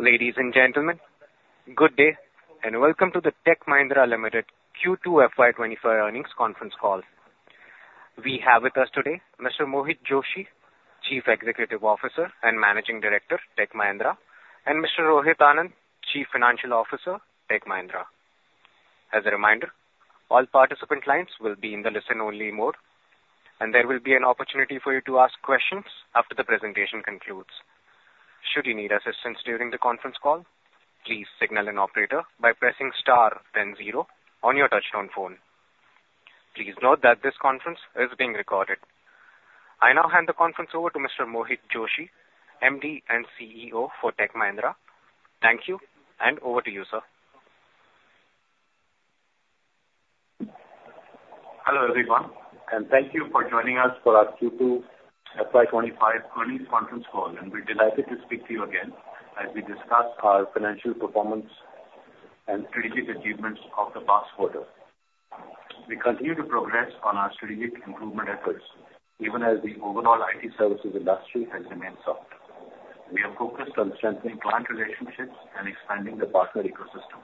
Ladies and gentlemen, good day, and Welcome to the Tech Mahindra Limited Q2 FY2025 Earnings Conference Call. We have with us today Mr. Mohit Joshi, Chief Executive Officer and Managing Director, Tech Mahindra, and Mr. Rohit Anand, Chief Financial Officer, Tech Mahindra. As a reminder, all participant lines will be in the listen-only mode, and there will be an opportunity for you to ask questions after the presentation concludes. Should you need assistance during the conference call, please signal an operator by pressing star then zero on your touchtone phone. Please note that this conference is being recorded. I now hand the conference over to Mr. Mohit Joshi, MD and CEO for Tech Mahindra. Thank you, and over to you, sir. Hello, everyone, and thank you for joining us for our Q2 FY2025 earnings conference call, and we're delighted to speak to you again as we discuss our financial performance and strategic achievements of the past quarter. We continue to progress on our strategic improvement efforts, even as the overall IT services industry has remained soft. We are focused on strengthening client relationships and expanding the partner ecosystem.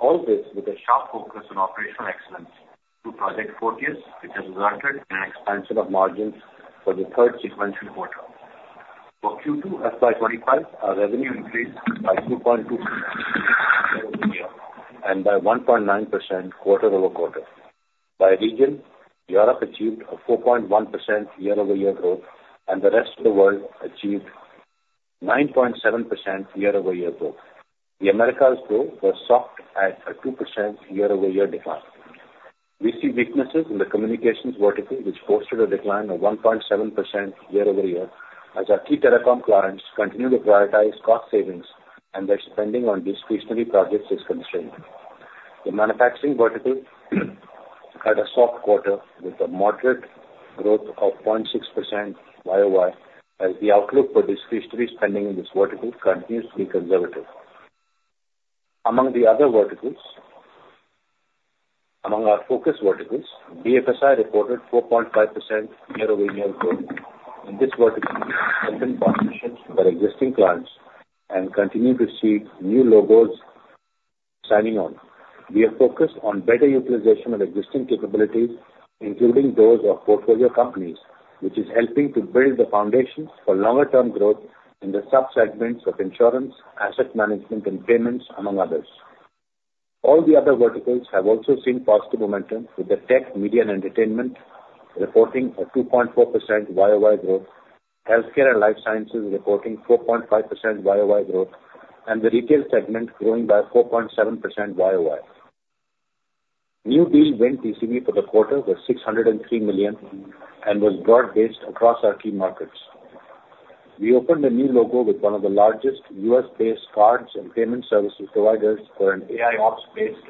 All this with a sharp focus on operational excellence through Project Fortius, which has resulted in an expansion of margins for the third sequential quarter. For Q2 FY2025, our revenue increased by 2.2% year-over-year and by 1.9% quarter-over-quarter. By region, Europe achieved a 4.1% year-over-year growth, and the rest of the world achieved 9.7% year-over-year growth. The Americas growth was soft at a 2% year-over-year decline. We see weaknesses in the communications vertical, which posted a decline of 1.7% year-over-year, as our key telecom clients continue to prioritize cost savings, and their spending on discretionary projects is constrained. The manufacturing vertical had a soft quarter with a moderate growth of 0.6% YoY, as the outlook for discretionary spending in this vertical continues to be conservative. Among the other verticals, among our focus verticals, BFSI reported 4.5% year-over-year growth. In this vertical, our existing clients and continue to see new logos signing on. We are focused on better utilization of existing capabilities, including those of portfolio companies, which is helping to build the foundation for longer term growth in the sub-segments of insurance, asset management, and payments, among others. All the other verticals have also seen positive momentum, with the tech, media and entertainment reporting a 2.4% YoY growth, healthcare and life sciences reporting 4.5% YoY growth, and the retail segment growing by 4.7% YoY. New deal win TCV for the quarter was $603 million and was broad-based across our key markets. We opened a new logo with one of the largest U.S.-based cards and payment services providers for an AIOps-based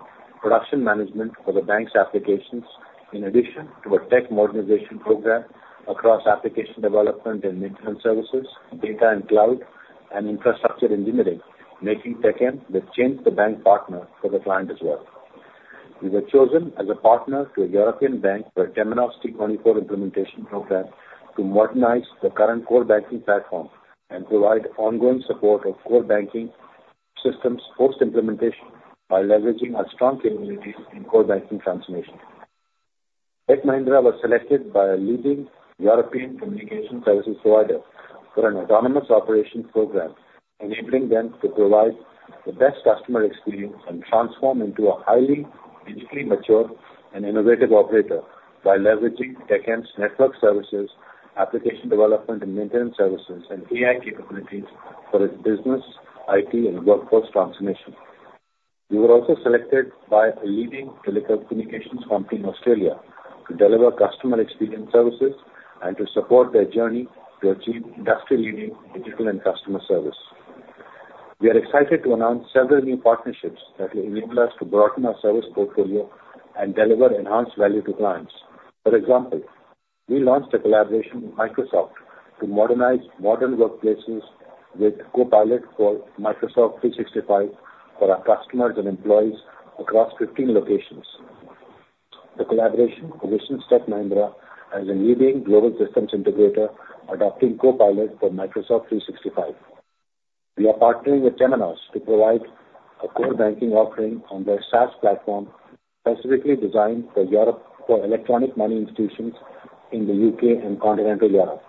production management for the bank's applications, in addition to a tech modernization program across application development and maintenance services, data and cloud, and infrastructure and migration, making TechM the change-the-bank partner for the client as well. We were chosen as a partner to a European bank for a Temenos T24 implementation program to modernize the current core banking platform and provide ongoing support of core banking systems post-implementation by leveraging our strong capabilities in core banking transformation. Tech Mahindra was selected by a leading European communication services provider for an autonomous operations program, enabling them to provide the best customer experience and transform into a highly digitally mature and innovative operator by leveraging TechM's network services, application development and maintenance services, and AI capabilities for its business, IT, and workforce transformation. We were also selected by a leading telecommunications company in Australia to deliver customer experience services and to support their journey to achieve industry-leading digital and customer service. We are excited to announce several new partnerships that will enable us to broaden our service portfolio and deliver enhanced value to clients. For example, we launched a collaboration with Microsoft to modernize modern workplaces with Copilot for Microsoft 365 for our customers and employees across 15 locations. The collaboration positions Tech Mahindra as a leading global systems integrator, adopting Copilot for Microsoft 365. We are partnering with Temenos to provide a core banking offering on their SaaS platform, specifically designed for Europe, for electronic money institutions in the U.K. and Continental Europe.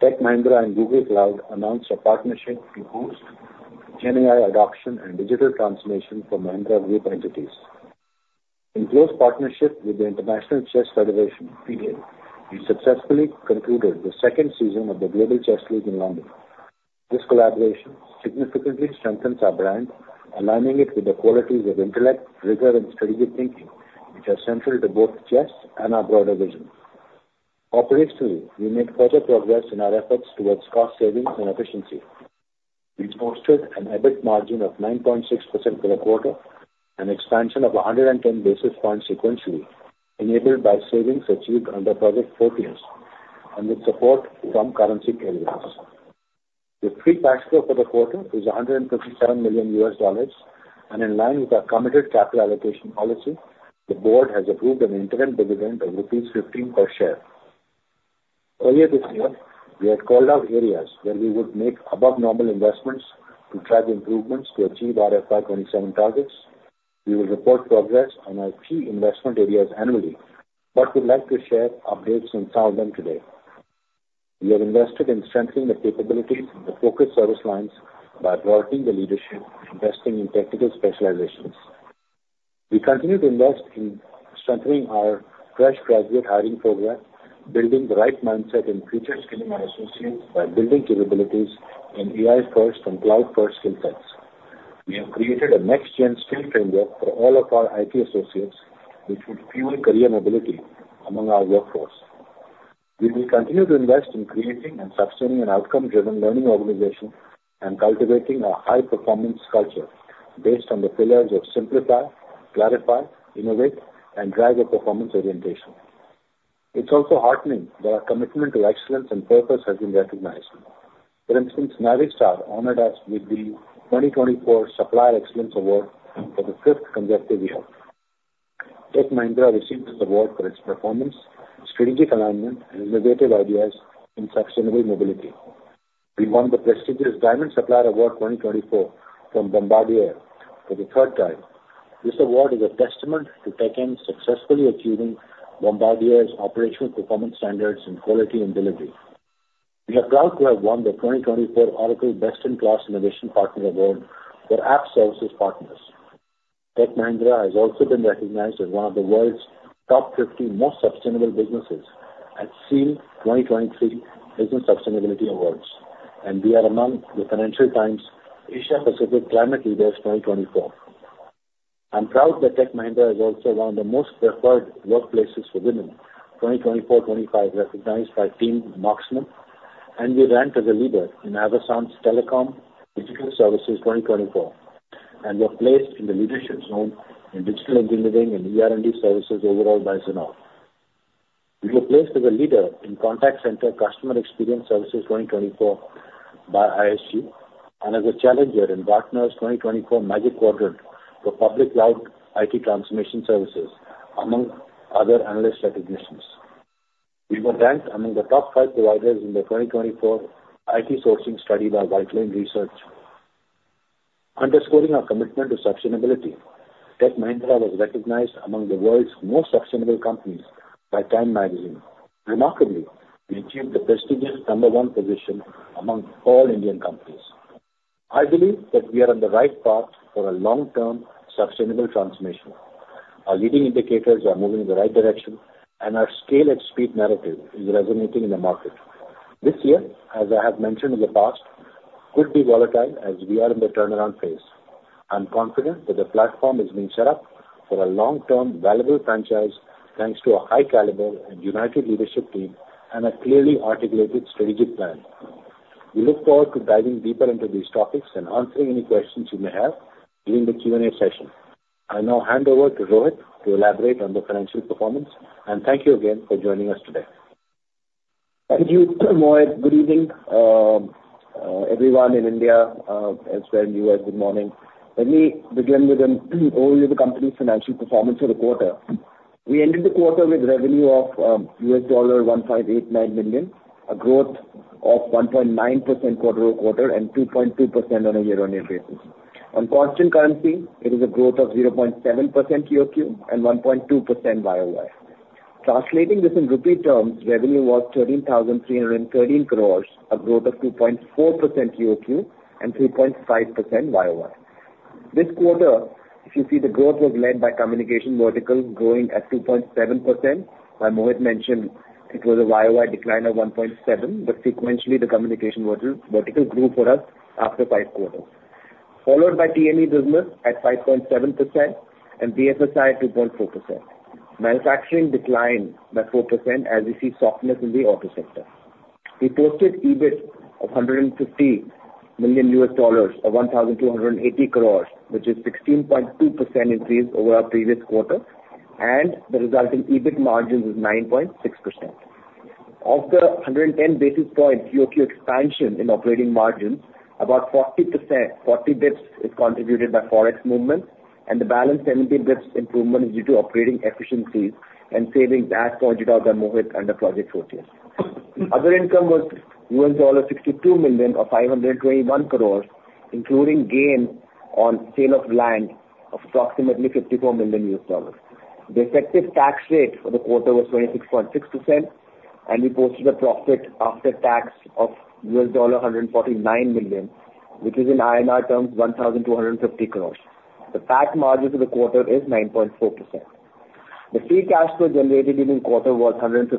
Tech Mahindra and Google Cloud announced a partnership to boost GenAI adoption and digital transformation for Mahindra Group entities. In close partnership with the International Chess Federation, FIDE, we successfully concluded the second season of the Global Chess League in London. This collaboration significantly strengthens our brand, aligning it with the qualities of intellect, rigor and strategic thinking, which are central to both chess and our broader vision. Operationally, we made further progress in our efforts towards cost savings and efficiency. We posted an EBIT margin of 9.6% for the quarter, an expansion of 110 basis points sequentially, enabled by savings achieved under Project Fortius and with support from currency tailwinds. The free cash flow for the quarter is $157 million. And in line with our committed capital allocation policy, the board has approved an interim dividend of rupees 15 per share. Earlier this year, we had called out areas where we would make above normal investments to drive improvements to achieve our FY2027 targets. We will report progress on our key investment areas annually, but we'd like to share updates on some of them today. We have invested in strengthening the capabilities of the focused service lines by developing the leadership, investing in technical specializations. We continue to invest in strengthening our fresh graduate hiring program, building the right mindset and future skilling our associates by building capabilities in AI-first and cloud-first skill sets. We have created a next-gen skill framework for all of our IT associates, which would fuel career mobility among our workforce. We will continue to invest in creating and sustaining an outcome-driven learning organization and cultivating a high-performance culture based on the pillars of simplify, clarify, innovate, and drive a performance orientation. It's also heartening that our commitment to excellence and purpose has been recognized. For instance, Navistar honored us with the 2024 Supplier Excellence Award for the fifth consecutive year. Tech Mahindra received this award for its performance, strategic alignment, and innovative ideas in sustainable mobility. We won the prestigious Diamond Supplier Award 2024 from Bombardier for the third time. This award is a testament to TechM successfully achieving Bombardier's operational performance standards in quality and delivery. We are proud to have won the 2024 Oracle Best-in-Class Innovation Partner Award for App Services Partners. Tech Mahindra has also been recognized as one of the world's top 50 most sustainable businesses at SEED 2023 Business Sustainability Awards, and we are among the Financial Times Asia Pacific Climate Leaders 2024. I'm proud that Tech Mahindra is also one of the Most Preferred Workplaces for Women, 2024-2025, recognized by Team Marksmen, and we ranked as a leader in Avasant's Telecom Digital Services 2024, and were placed in the leadership zone in Digital Engineering and ER&D Services overall by Zinnov. We were placed as a leader in Contact Center Customer Experience Services 2024 by ISG and as a challenger in Gartner's 2024 Magic Quadrant for Public Cloud IT Transformation Services, among other analyst recognitions. We were ranked among the top five providers in the 2024 IT Sourcing Study by Whitelane Research. Underscoring our commitment to sustainability, Tech Mahindra was recognized among the world's most sustainable companies by Time Magazine. Remarkably, we achieved the prestigious number one position among all Indian companies. I believe that we are on the right path for a long-term, sustainable transformation. Our leading indicators are moving in the right direction, and our scale and speed narrative is resonating in the market. This year, as I have mentioned in the past, could be volatile as we are in the turnaround phase. I'm confident that the platform is being set up for a long-term valuable franchise, thanks to a high caliber and united leadership team and a clearly articulated strategic plan. We look forward to diving deeper into these topics and answering any questions you may have during the Q&A session. I now hand over to Rohit to elaborate on the financial performance, and thank you again for joining us today. Thank you, Mohit. Good evening, everyone in India, as well in U.S., good morning. Let me begin with an overview of the company's financial performance for the quarter. We ended the quarter with revenue of $1.589 billion, a growth of 1.9% quarter-over-quarter and 2.2% on a year-on-year basis. On constant currency, it is a growth of 0.7% QoQ and 1.2% YoY. Translating this in rupee terms, revenue was 13,313 crore, a growth of 2.4% QoQ and 3.5% YoY. This quarter, if you see the growth, was led by communication vertical, growing at 2.7%. As Mohit mentioned, it was a YoY decline of 1.7%, but sequentially, the communication vertical grew for us after five quarters. Followed by TME business at 5.7% and BFSI at 2.4%. Manufacturing declined by 4% as we see softness in the auto sector. We posted EBIT of $150 million, or 1,280 crores, which is 16.2% increase over our previous quarter, and the resulting EBIT margins is 9.6%. Of the 110 basis points QoQ expansion in operating margins, about 40%, 40 basis points is contributed by Forex movements, and the balance 17 basis points improvement is due to operating efficiencies and savings as pointed out by Mohit under Project Fortius. Other income was $62 million or 521 crores, including gain on sale of land of approximately $54 million. The effective tax rate for the quarter was 26.6%, and we posted a profit after tax of $149 million, which is in INR terms, 1,250 crores INR. The PAT margin for the quarter is 9.4%. The free cash flow generated in the quarter was $157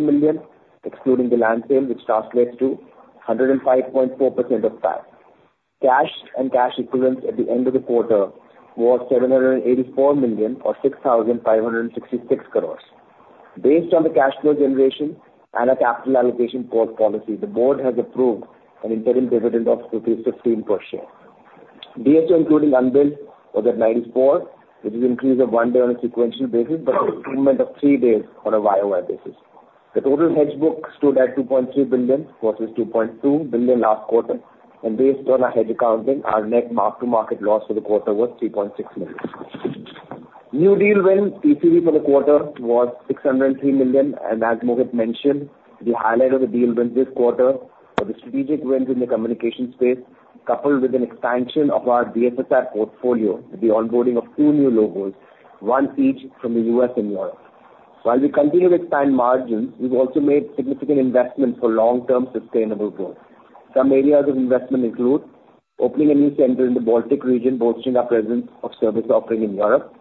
million, excluding the land sale, which translates to 105.4% of PAT. Cash and cash equivalents at the end of the quarter was $784 million or 6,566 crores. Based on the cash flow generation and our capital allocation policy, the board has approved an interim dividend of 16 per share. DSO, including unbilled, was at $94 million, which is an increase of one day on a sequential basis, but an improvement of three days on a YoY basis. The total hedge book stood at $2.3 billion versus $2.2 billion last quarter, and based on our hedge accounting, our net mark-to-market loss for the quarter was $3.6 million. New deal wins TCV for the quarter was $603 million, and as Mohit mentioned, the highlight of the deal wins this quarter are the strategic wins in the communication space, coupled with an expansion of our BFSI portfolio, with the onboarding of two new logos, one each from the U.S. and Europe. While we continue with spend margins, we've also made significant investments for long-term sustainable growth. Some areas of investment include opening a new center in the Baltic region, boosting our presence of service offering in Europe.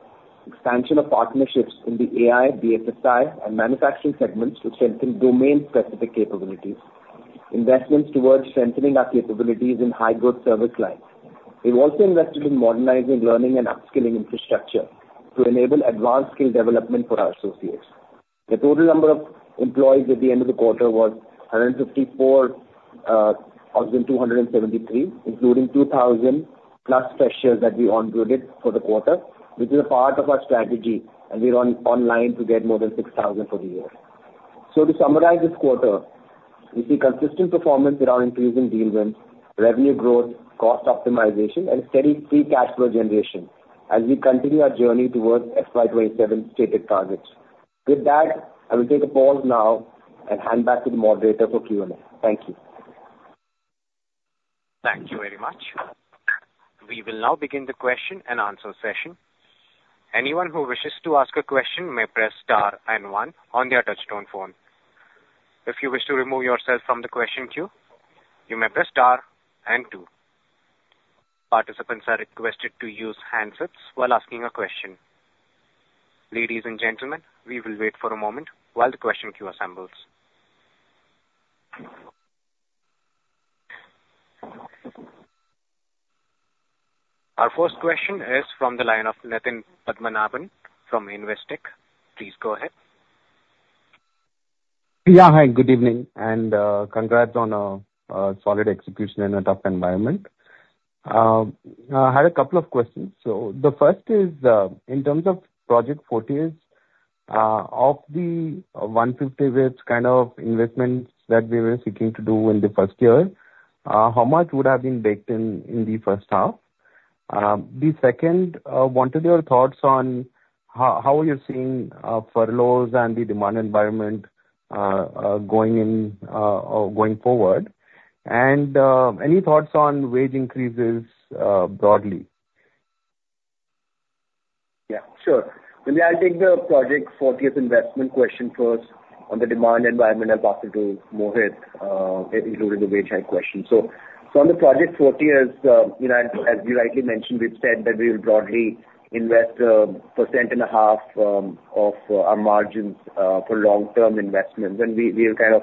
Expansion of partnerships in the AI, BFSI, and manufacturing segments to strengthen domain-specific capabilities. Investments towards strengthening our capabilities in high growth service lines. We've also invested in modernizing learning and upskilling infrastructure to enable advanced skill development for our associates. The total number of employees at the end of the quarter was 154,273, including 2,000+ freshers that we onboarded for the quarter, which is a part of our strategy, and we're on line to get more than 6,000 for the year. So to summarize this quarter, we see consistent performance around increasing deal wins, revenue growth, cost optimization, and steady free cash flow generation as we continue our journey towards FY2027 stated targets. With that, I will take a pause now and hand back to the moderator for Q&A. Thank you. Thank you very much. We will now begin the question and answer session. Anyone who wishes to ask a question may press star and one on their touchtone phone. If you wish to remove yourself from the question queue, you may press star and two. Participants are requested to use handsets while asking a question. Ladies and gentlemen, we will wait for a moment while the question queue assembles. Our first question is from the line of Nitin Padmanabhan from Investec. Please go ahead. Yeah. Hi, good evening, and congrats on a solid execution in a tough environment. I had a couple of questions. So the first is, in terms of Project Fortius, of the 150 basis points kind of investments that we were seeking to do in the first year, how much would have been baked in, in the first half? The second, what are your thoughts on how you're seeing furloughs and the demand environment going forward? And, any thoughts on wage increases, broadly? Yeah, sure. Well, I'll take the Project Fortius investment question first. On the demand environment, I'll pass it to Mohit, including the wage hike question. On the Project Fortius, you know, as you rightly mentioned, we've said that we will broadly invest 1.5% of our margins for long-term investments. And we are kind of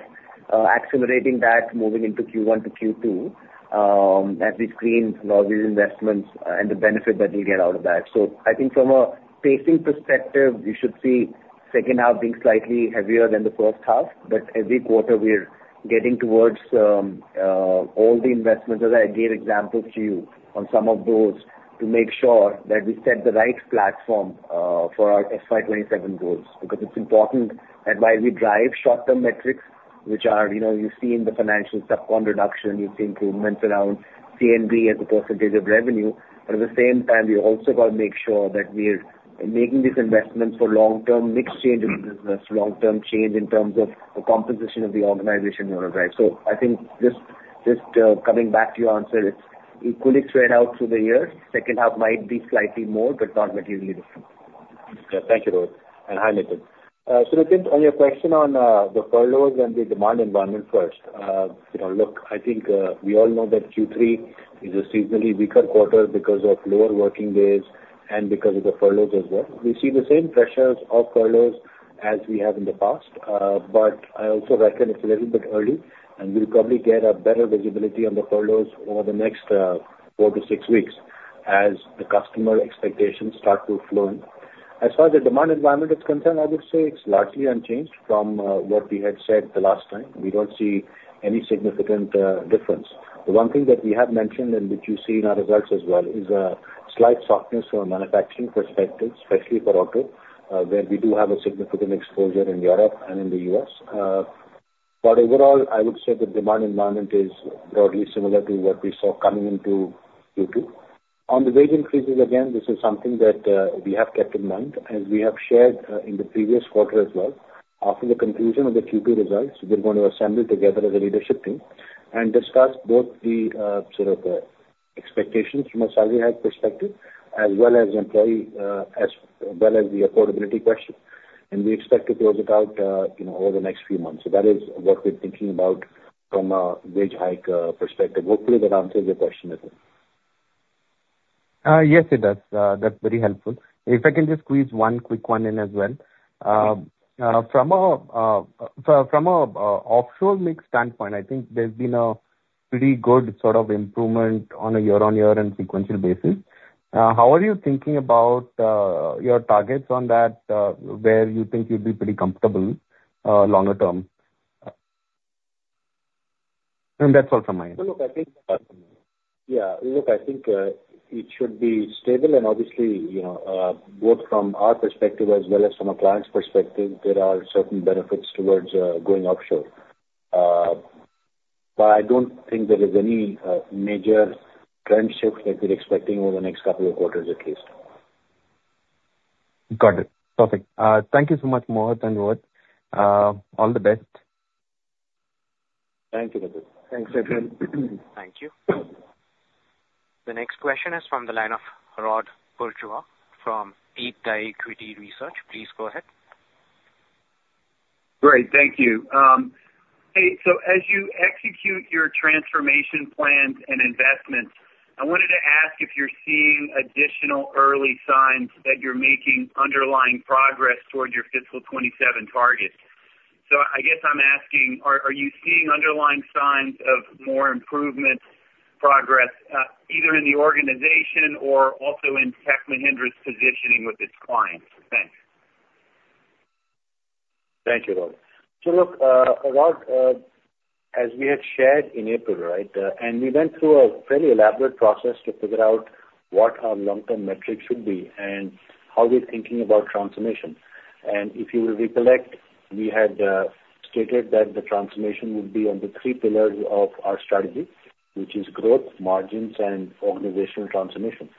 accelerating that moving into Q1 to Q2, as we screen all these investments, and the benefit that we'll get out of that. I think from a pacing perspective, you should see second half being slightly heavier than the first half, but every quarter we are getting towards all the investments, as I gave examples to you on some of those, to make sure that we set the right platform for our FY2027 goals. Because it's important that while we drive short-term metrics, which are, you know, you see in the financial staff reduction, you see improvements around C&B as a percentage of revenue, but at the same time, we also got to make sure that we are making these investments for long-term mix change in the business, long-term change in terms of the composition of the organization, you know, right? So I think just coming back to your answer, it's equally spread out through the years. Second half might be slightly more, but not materially different. Okay, thank you, Rohit. And hi, Nitin. So I think on your question on the furloughs and the demand environment first. You know, look, I think we all know that Q3 is a seasonally weaker quarter because of lower working days and because of the furloughs as well. We see the same pressures of furloughs as we have in the past, but I also reckon it's a little bit early, and we'll probably get a better visibility on the furloughs over the next four to six weeks as the customer expectations start to flow in. As far as the demand environment is concerned, I would say it's largely unchanged from what we had said the last time. We don't see any significant difference. The one thing that we have mentioned, and which you see in our results as well, is a slight softness from a manufacturing perspective, especially for auto, where we do have a significant exposure in Europe and in the U.S., but overall, I would say the demand environment is broadly similar to what we saw coming into Q2. On the wage increases, again, this is something that, we have kept in mind, and we have shared, in the previous quarter as well. After the conclusion of the Q2 results, we're going to assemble together as a leadership team and discuss both the, sort of, expectations from a salary hike perspective, as well as employee, as well as the affordability question, and we expect to close it out, you know, over the next few months. So that is what we're thinking about from a wage hike, perspective. Hopefully, that answers your question, Nitin. Yes, it does. That's very helpful. If I can just squeeze one quick one in as well. From a offshore mix standpoint, I think there's been a pretty good sort of improvement on a year-on-year and sequential basis. How are you thinking about your targets on that, where you think you'd be pretty comfortable longer term? And that's all from my end. Look, I think. Yeah, look, I think it should be stable and obviously, you know, both from our perspective as well as from a client's perspective, there are certain benefits towards going offshore. But I don't think there is any major trend shift that we're expecting over the next couple of quarters, at least. Got it. Perfect. Thank you so much, Mohit and Rohit. All the best. Thank you, Nitin. Thank you. The next question is from the line of Rod Bourgeois from DeepDive Equity Research. Please go ahead. Great, thank you. Hey, so as you execute your transformation plans and investments, I wanted to ask if you're seeing additional early signs that you're making underlying progress toward your fiscal 2027 targets, so I guess I'm asking, are you seeing underlying signs of more improvement progress, either in the organization or also in Tech Mahindra's positioning with its clients? Thanks. Thank you, Rod. So look, Rod, as we had shared in April, right, and we went through a fairly elaborate process to figure out what our long-term metrics should be and how we're thinking about transformation. And if you will recollect, we had stated that the transformation would be on the three pillars of our strategy, which is growth, margins, and organizational transformation.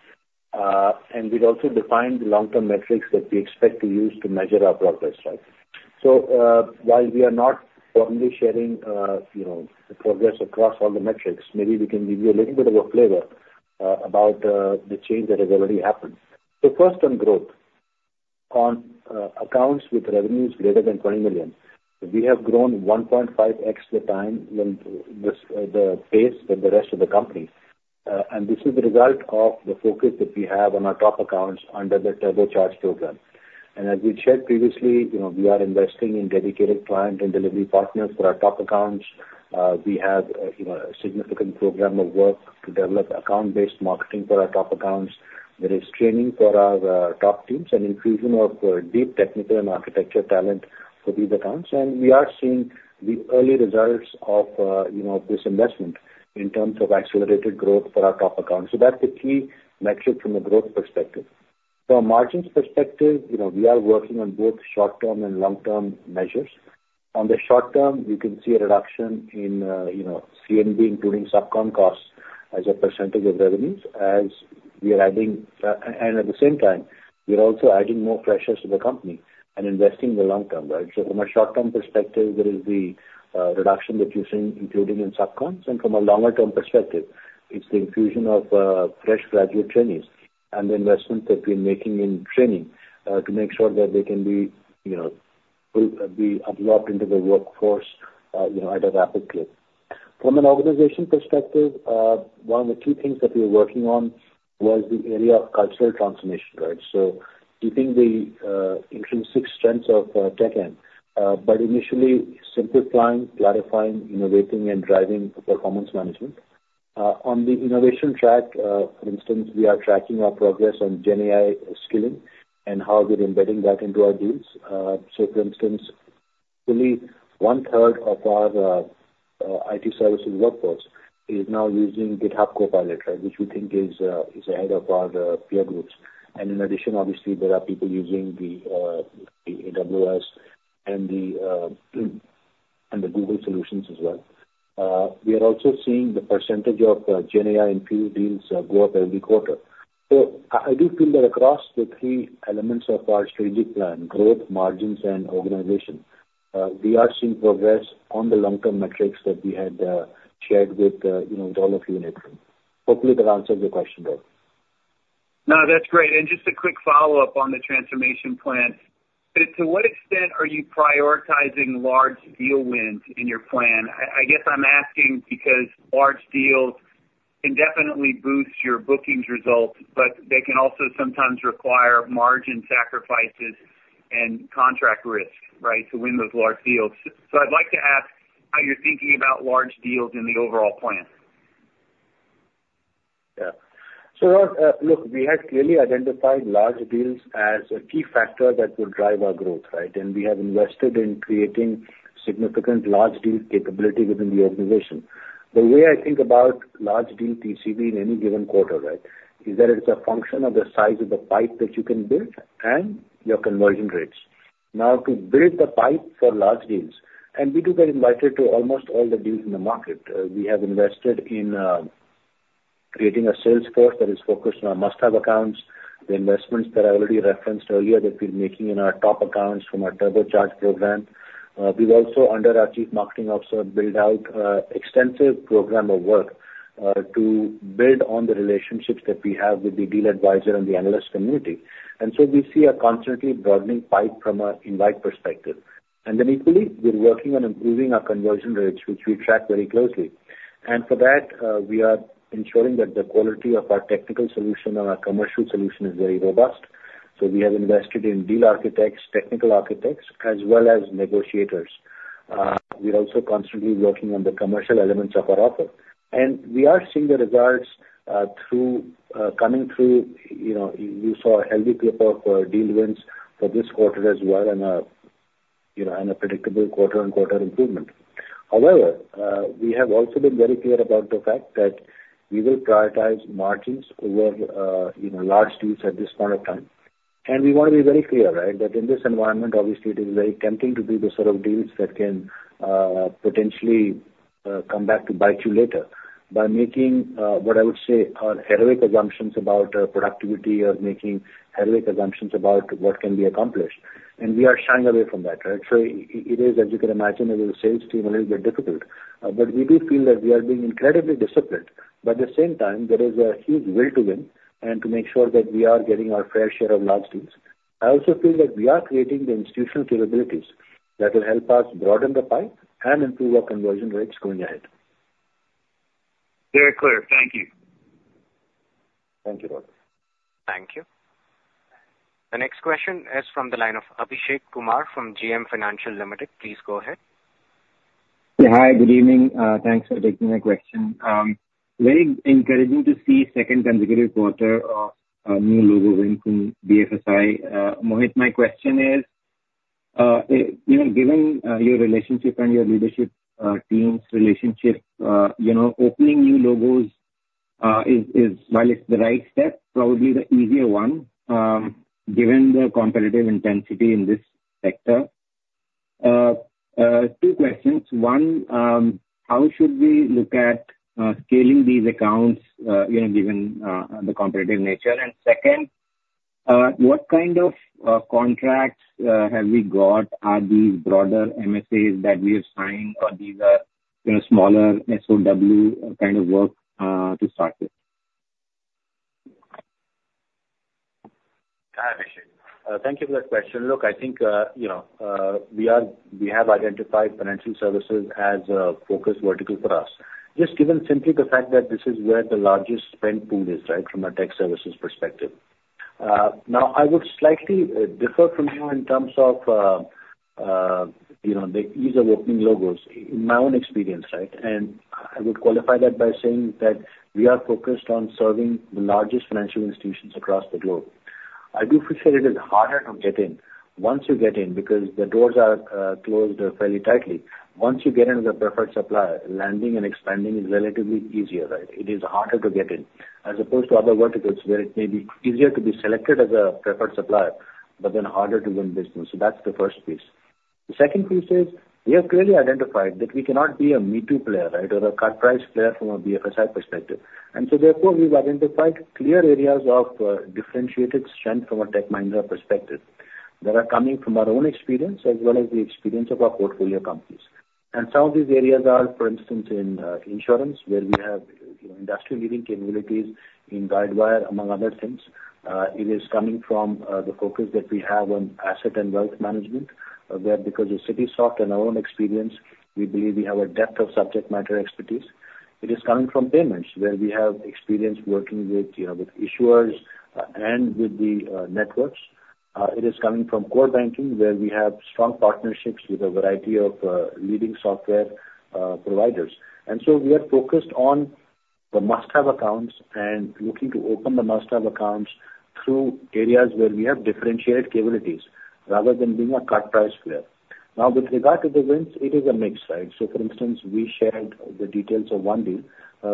And we'd also defined the long-term metrics that we expect to use to measure our progress, right? So, while we are not publicly sharing, you know, the progress across all the metrics, maybe we can give you a little bit of a flavor about the change that has already happened. So first, on growth. On accounts with revenues greater than $20 million, we have grown 1.5x the pace than the rest of the company. And this is the result of the focus that we have on our top accounts under the Turbocharge program. And as we've shared previously, you know, we are investing in dedicated client and delivery partners for our top accounts. We have, you know, a significant program of work to develop account-based marketing for our top accounts. There is training for our top teams, an infusion of deep technical and architecture talent for these accounts. And we are seeing the early results of, you know, this investment in terms of accelerated growth for our top accounts. So that's the key metric from a growth perspective. From a margins perspective, you know, we are working on both short-term and long-term measures. On the short term, we can see a reduction in, you know, C&B, including subcon costs, as a percentage of revenues, as we are adding and at the same time, we are also adding more resources to the company and investing in the long term, right? So from a short-term perspective, there is the reduction that you're seeing, including in subcons, and from a longer-term perspective, it's the infusion of fresh graduate trainees and the investments that we're making in training to make sure that they can be, you know, absorbed into the workforce, you know, at a rapid clip. From an organization perspective, one of the key things that we were working on was the area of cultural transformation, right? So keeping the intrinsic strengths of Tech Mahindra but initially simplifying, clarifying, innovating and driving performance management. On the innovation track, for instance, we are tracking our progress on GenAI skilling and how we're embedding that into our deals. So for instance, only 1/3 of our IT services workforce is now using GitHub Copilot, right? Which we think is ahead of our peer groups. And in addition, obviously, there are people using the AWS and the Google solutions as well. We are also seeing the percentage of GenAI-infused deals go up every quarter. I do feel that across the three elements of our strategic plan, growth, margins, and organization, we are seeing progress on the long-term metrics that we had shared with you know, all of you in April. Hopefully, that answers your question, Rod. No, that's great. And just a quick follow-up on the transformation plan. To what extent are you prioritizing large deal wins in your plan? I guess I'm asking because large deals can definitely boost your bookings results, but they can also sometimes require margin sacrifices and contract risk, right? To win those large deals. So I'd like to ask how you're thinking about large deals in the overall plan. Yeah. So, Rod, look, we have clearly identified large deals as a key factor that will drive our growth, right? And we have invested in creating significant large deal capability within the organization. The way I think about large deal TCV in any given quarter, right, is that it's a function of the size of the pipe that you can build and your conversion rates. Now, to build the pipe for large deals, and we do get invited to almost all the deals in the market. We have invested in creating a sales force that is focused on our must-have accounts, the investments that I already referenced earlier, that we're making in our top accounts from our Turbocharge program. We've also, under our Chief Marketing Officer, built out extensive program of work to build on the relationships that we have with the deal advisor and the analyst community. And so we see a constantly broadening pipe from an invite perspective. And then equally, we're working on improving our conversion rates, which we track very closely. And for that, we are ensuring that the quality of our technical solution and our commercial solution is very robust. So we have invested in deal architects, technical architects, as well as negotiators. We're also constantly working on the commercial elements of our offer, and we are seeing the results through coming through. You know, you saw a healthy clip of deal wins for this quarter as well, and you know, and a predictable quarter-on-quarter improvement. However, we have also been very clear about the fact that we will prioritize margins over, you know, large deals at this point of time. And we want to be very clear, right? That in this environment, obviously, it is very tempting to do the sort of deals that can, potentially, come back to bite you later by making, what I would say are heroic assumptions about, productivity or making heroic assumptions about what can be accomplished. And we are shying away from that, right? So it is, as you can imagine, as a sales team, a little bit difficult. But we do feel that we are being incredibly disciplined, but at the same time, there is a huge will to win and to make sure that we are getting our fair share of large deals. I also feel that we are creating the institutional capabilities that will help us broaden the pipe and improve our conversion rates going ahead. Very clear. Thank you. Thank you, Rod. Thank you. The next question is from the line of Abhishek Kumar from JM Financial Limited. Please go ahead. Hi, good evening. Thanks for taking my question. Very encouraging to see second consecutive quarter of new logo win from BFSI. Mohit, my question is, you know, given your relationship and your leadership team's relationship, you know, opening new logos is while it's the right step, probably the easier one, given the competitive intensity in this sector. Two questions. One, how should we look at scaling these accounts, you know, given the competitive nature? And second, what kind of contracts have we got? Are these broader MSAs that we are signing, or these are, you know, smaller SOW kind of work to start with? Hi, Abhishek. Thank you for that question. Look, I think, you know, we have identified financial services as a focus vertical for us, just given simply the fact that this is where the largest spend pool is, right? From a tech services perspective. Now, I would slightly differ from you in terms of, you know, the ease of opening logos, in my own experience, right? And I would qualify that by saying that we are focused on serving the largest financial institutions across the globe. I do feel it is harder to get in. Once you get in, because the doors are closed fairly tightly, once you get in as a preferred supplier, landing and expanding is relatively easier, right? It is harder to get in, as opposed to other verticals, where it may be easier to be selected as a preferred supplier, but then harder to win business. So that's the first piece. The second piece is, we have clearly identified that we cannot be a me-too player, right? Or a cut-price player from a BFSI perspective. And so therefore, we've identified clear areas of differentiated strength from a Tech Mahindra perspective, that are coming from our own experience as well as the experience of our portfolio companies. And some of these areas are, for instance, in insurance, where we have industry-leading capabilities in Guidewire, among other things. It is coming from the focus that we have on asset and wealth management, where because of Citisoft and our own experience, we believe we have a depth of subject matter expertise. It is coming from payments, where we have experience working with, you know, with issuers, and with the networks. It is coming from core banking, where we have strong partnerships with a variety of, leading software, providers, and so we are focused on the must-have accounts and looking to open the must-have accounts through areas where we have differentiated capabilities, rather than being a cut-price player. Now, with regard to the wins, it is a mixed bag, so, for instance, we shared the details of one deal,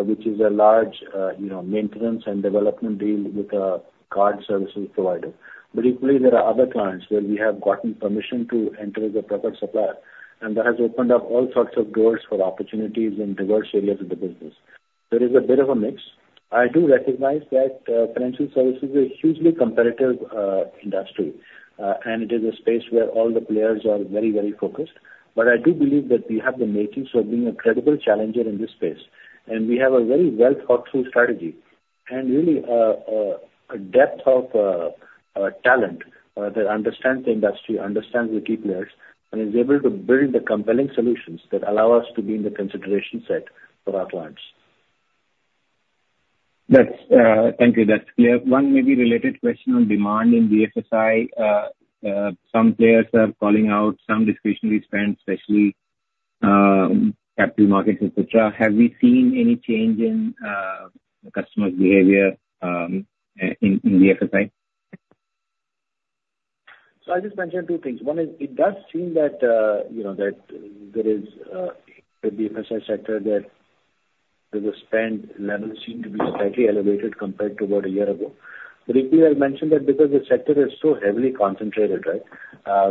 which is a large, you know, maintenance and development deal with a card services provider, but equally, there are other clients where we have gotten permission to enter as a preferred supplier, and that has opened up all sorts of doors for opportunities in diverse areas of the business. There is a bit of a mix. I do recognize that, financial services is a hugely competitive, industry, and it is a space where all the players are very, very focused. But I do believe that we have the makings of being a credible challenger in this space, and we have a very well-thought-through strategy and really, a depth of, talent, that understands the industry, understands the key players, and is able to build the compelling solutions that allow us to be in the consideration set for our clients. That's. Thank you. That's clear. One maybe related question on demand in BFSI. Some players are calling out some discretionary spend, especially, capital markets, et cetera. Have we seen any change in customer behavior in BFSI? So I just mentioned two things. One is, it does seem that, you know, that there is, in the BFSI sector, that the spend levels seem to be slightly elevated compared to about a year ago. But equally, I mentioned that because the sector is so heavily concentrated, right?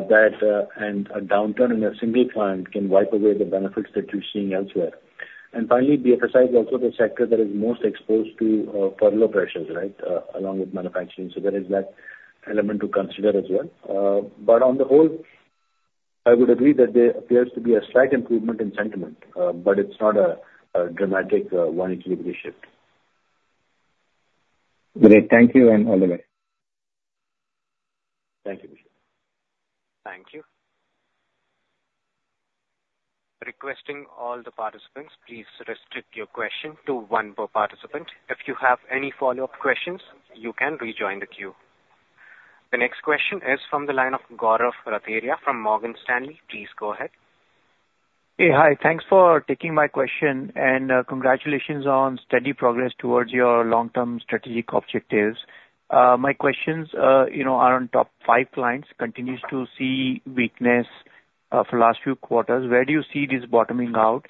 That, and a downturn in a single client can wipe away the benefits that you're seeing elsewhere. And finally, BFSI is also the sector that is most exposed to, furlough pressures, right, along with manufacturing. So there is that element to consider as well. But on the whole, I would agree that there appears to be a slight improvement in sentiment, but it's not a dramatic one degree shift. Great. Thank you, and all the best. Thank you, Abhishek. Thank you. Requesting all the participants, please restrict your question to one per participant. If you have any follow-up questions, you can rejoin the queue. The next question is from the line of Gaurav Ratheria from Morgan Stanley. Please go ahead. Hey, hi. Thanks for taking my question, and, congratulations on steady progress towards your long-term strategic objectives. My questions, you know, are on top five clients, continues to see weakness for last few quarters, where do you see this bottoming out?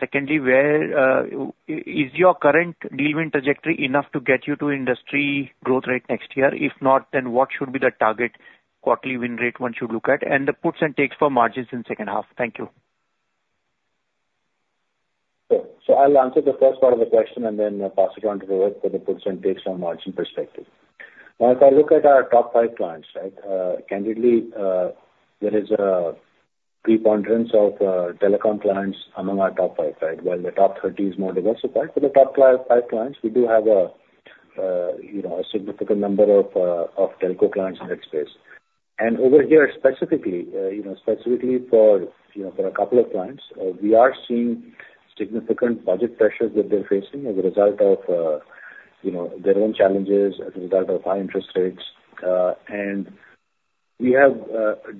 Secondly, where, is your current deal win trajectory enough to get you to industry growth rate next year? If not, then what should be the target quarterly win rate one should look at? And the puts and takes for margins in second half. Thank you. So, I'll answer the first part of the question and then pass it on to Rohit for the puts and takes on margin perspective. Now, if I look at our top five clients, right, candidly, there is a preponderance of telecom clients among our top five, right? While the top thirty is more diversified, for the top five clients, we do have, you know, a significant number of telco clients in that space. And over here, specifically, you know, specifically for, you know, for a couple of clients, we are seeing significant budget pressures that they're facing as a result of, you know, their own challenges as a result of high interest rates. And we have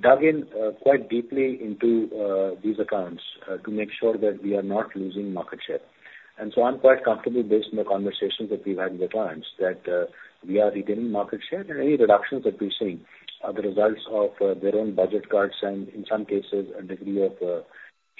dug in quite deeply into these accounts to make sure that we are not losing market share. And so I'm quite comfortable based on the conversations that we've had with the clients that we are retaining market share, and any reductions that we're seeing are the results of their own budget cuts, and in some cases, a degree of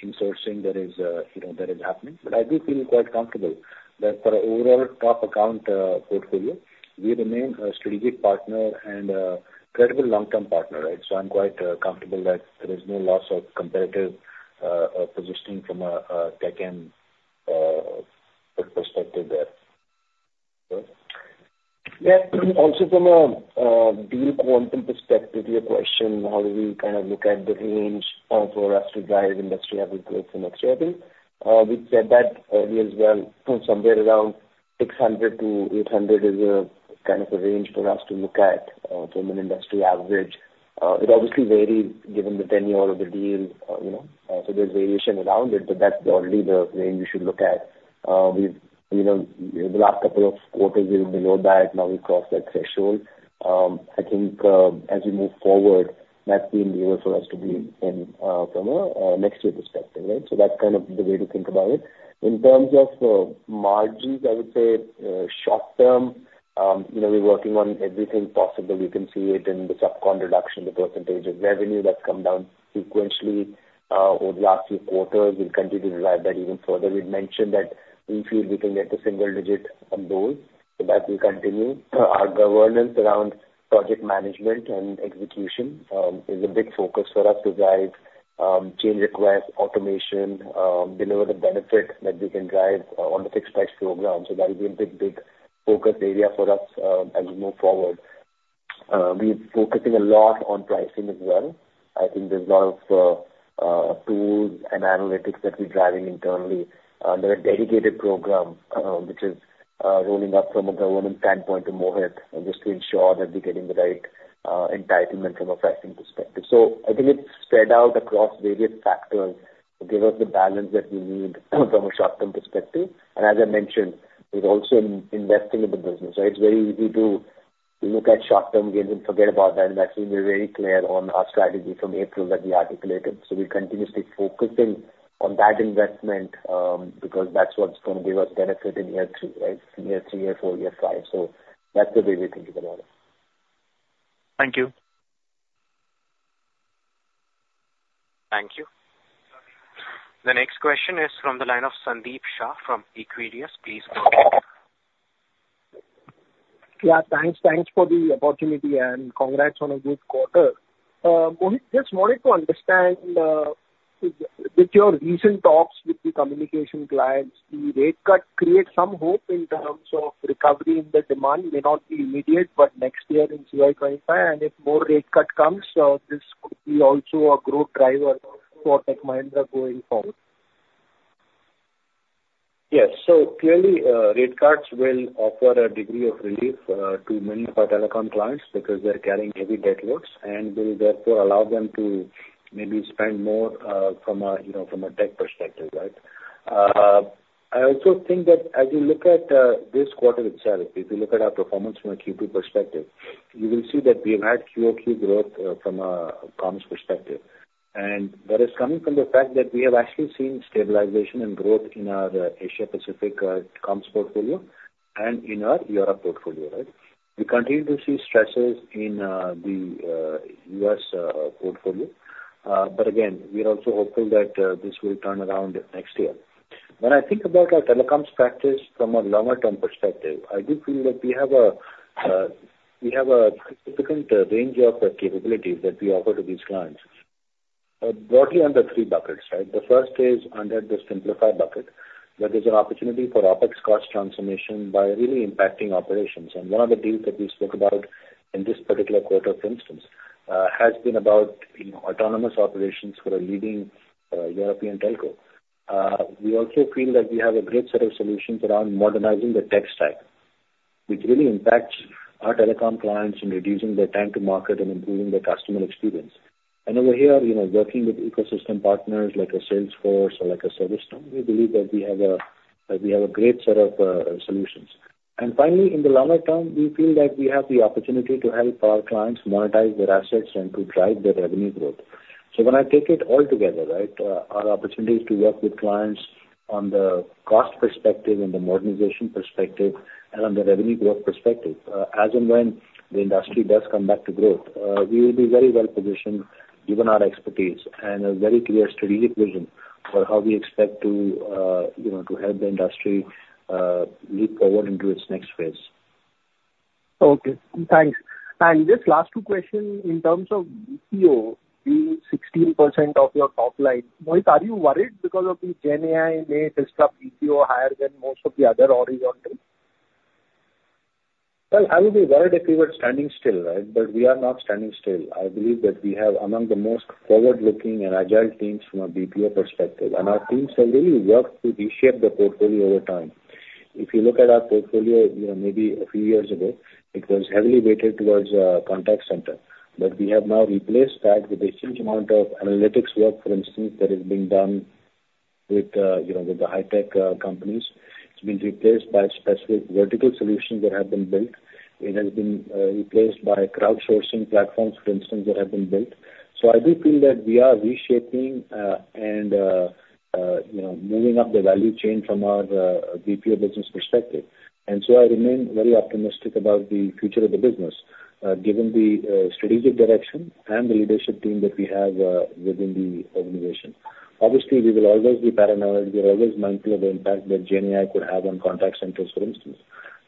insourcing that is, you know, that is happening. But I do feel quite comfortable that for our overall top account portfolio, we remain a strategic partner and a credible long-term partner, right? So I'm quite comfortable that there is no loss of competitive positioning from a tech and perspective there. Rohit? Yeah. Also from a deal quantum perspective, your question, how do we kind of look at the range for us to drive industry average growth for next year? I think, we've said that earlier as well, from somewhere around 600-800 is a kind of a range for us to look at, from an industry average. It obviously varies given the tenure of the deal, you know, so there's variation around it, but that's broadly the range you should look at. We've, you know, the last couple of quarters we were below that, now we've crossed that threshold. I think, as we move forward, that's the enabler for us to be in, from a, next year perspective, right? So that's kind of the way to think about it. In terms of, margins, I would say, short term, you know, we're working on everything possible. We can see it in the subcon reduction, the percentage of revenue that's come down sequentially over the last few quarters. We'll continue to drive that even further. We've mentioned that we feel we can get to single digit on those, so that will continue. Our governance around project management and execution is a big focus for us to drive change requests, automation, deliver the benefit that we can drive on the fixed price program. So that will be a big, big focus area for us as we move forward. We're focusing a lot on pricing as well. I think there's a lot of tools and analytics that we're driving internally. There are dedicated program, which is rolling up from a governance standpoint to Mohit, and just to ensure that we're getting the right entitlement from a pricing perspective. So I think it's spread out across various factors to give us the balance that we need from a short-term perspective. And as I mentioned, we're also investing in the business, so it's very easy to look at short-term gains and forget about that. And I think we're very clear on our strategy from April that we articulated. So we're continuously focusing on that investment, because that's what's gonna give us benefit in year three, right? Year three, year four, year five. So that's the way we think about it. Thank you. Thank you. The next question is from the line of Sandeep Shah from Equirus. Please go ahead. Yeah, thanks. Thanks for the opportunity, and congrats on a good quarter. Mohit, just wanted to understand, with your recent talks with the communication clients, the rate cut creates some hope in terms of recovery in the demand, may not be immediate, but next year in CY2025, and if more rate cut comes, this could be also a growth driver for Tech Mahindra going forward. Yes. So clearly, rate cuts will offer a degree of relief to many of our telecom clients because they're carrying heavy debt loads, and will therefore allow them to maybe spend more, from a, you know, from a tech perspective, right? I also think that as you look at this quarter itself, if you look at our performance from a Q2 perspective, you will see that we've had QoQ growth from a comms perspective. And that is coming from the fact that we have actually seen stabilization and growth in our Asia Pacific comms portfolio and in our Europe portfolio, right? We continue to see stresses in the U.S. portfolio. But again, we are also hopeful that this will turn around next year. When I think about our telecoms practice from a longer term perspective, I do feel that we have a significant range of capabilities that we offer to these clients, broadly under three buckets, right? The first is under the simplify bucket. That is an opportunity for OpEx cost transformation by really impacting operations. And one of the deals that we spoke about in this particular quarter, for instance, has been about, you know, autonomous operations for a leading European telco. We also feel that we have a great set of solutions around modernizing the tech stack, which really impacts our telecom clients in reducing their time to market and improving the customer experience. Over here, you know, working with ecosystem partners like a Salesforce or like a ServiceNow, we believe that we have a, that we have a great set of solutions. Finally, in the longer term, we feel like we have the opportunity to help our clients monetize their assets and to drive their revenue growth. When I take it all together, right, our opportunities to work with clients on the cost perspective and the modernization perspective and on the revenue growth perspective, as and when the industry does come back to growth, we will be very well positioned given our expertise and a very clear strategic vision for how we expect to, you know, to help the industry leap forward into its next phase. Okay, thanks. And just last two questions. In terms of BPO being 16% of your top line, Mohit, are you worried because of the GenAI may disrupt BPO higher than most of the other horizontals? I would be worried if we were standing still, right? But we are not standing still. I believe that we have among the most forward-looking and agile teams from a BPO perspective, and our teams have really worked to reshape the portfolio over time. If you look at our portfolio, you know, maybe a few years ago, it was heavily weighted towards contact center, but we have now replaced that with a huge amount of analytics work, for instance, that is being done with you know, with the high-tech companies. It's been replaced by specific vertical solutions that have been built. It has been replaced by crowdsourcing platforms, for instance, that have been built. So I do feel that we are reshaping and you know, moving up the value chain from our BPO business perspective. And so I remain very optimistic about the future of the business, given the strategic direction and the leadership team that we have within the organization. Obviously, we will always be paranoid. We are always mindful of the impact that GenAI could have on contact centers, for instance.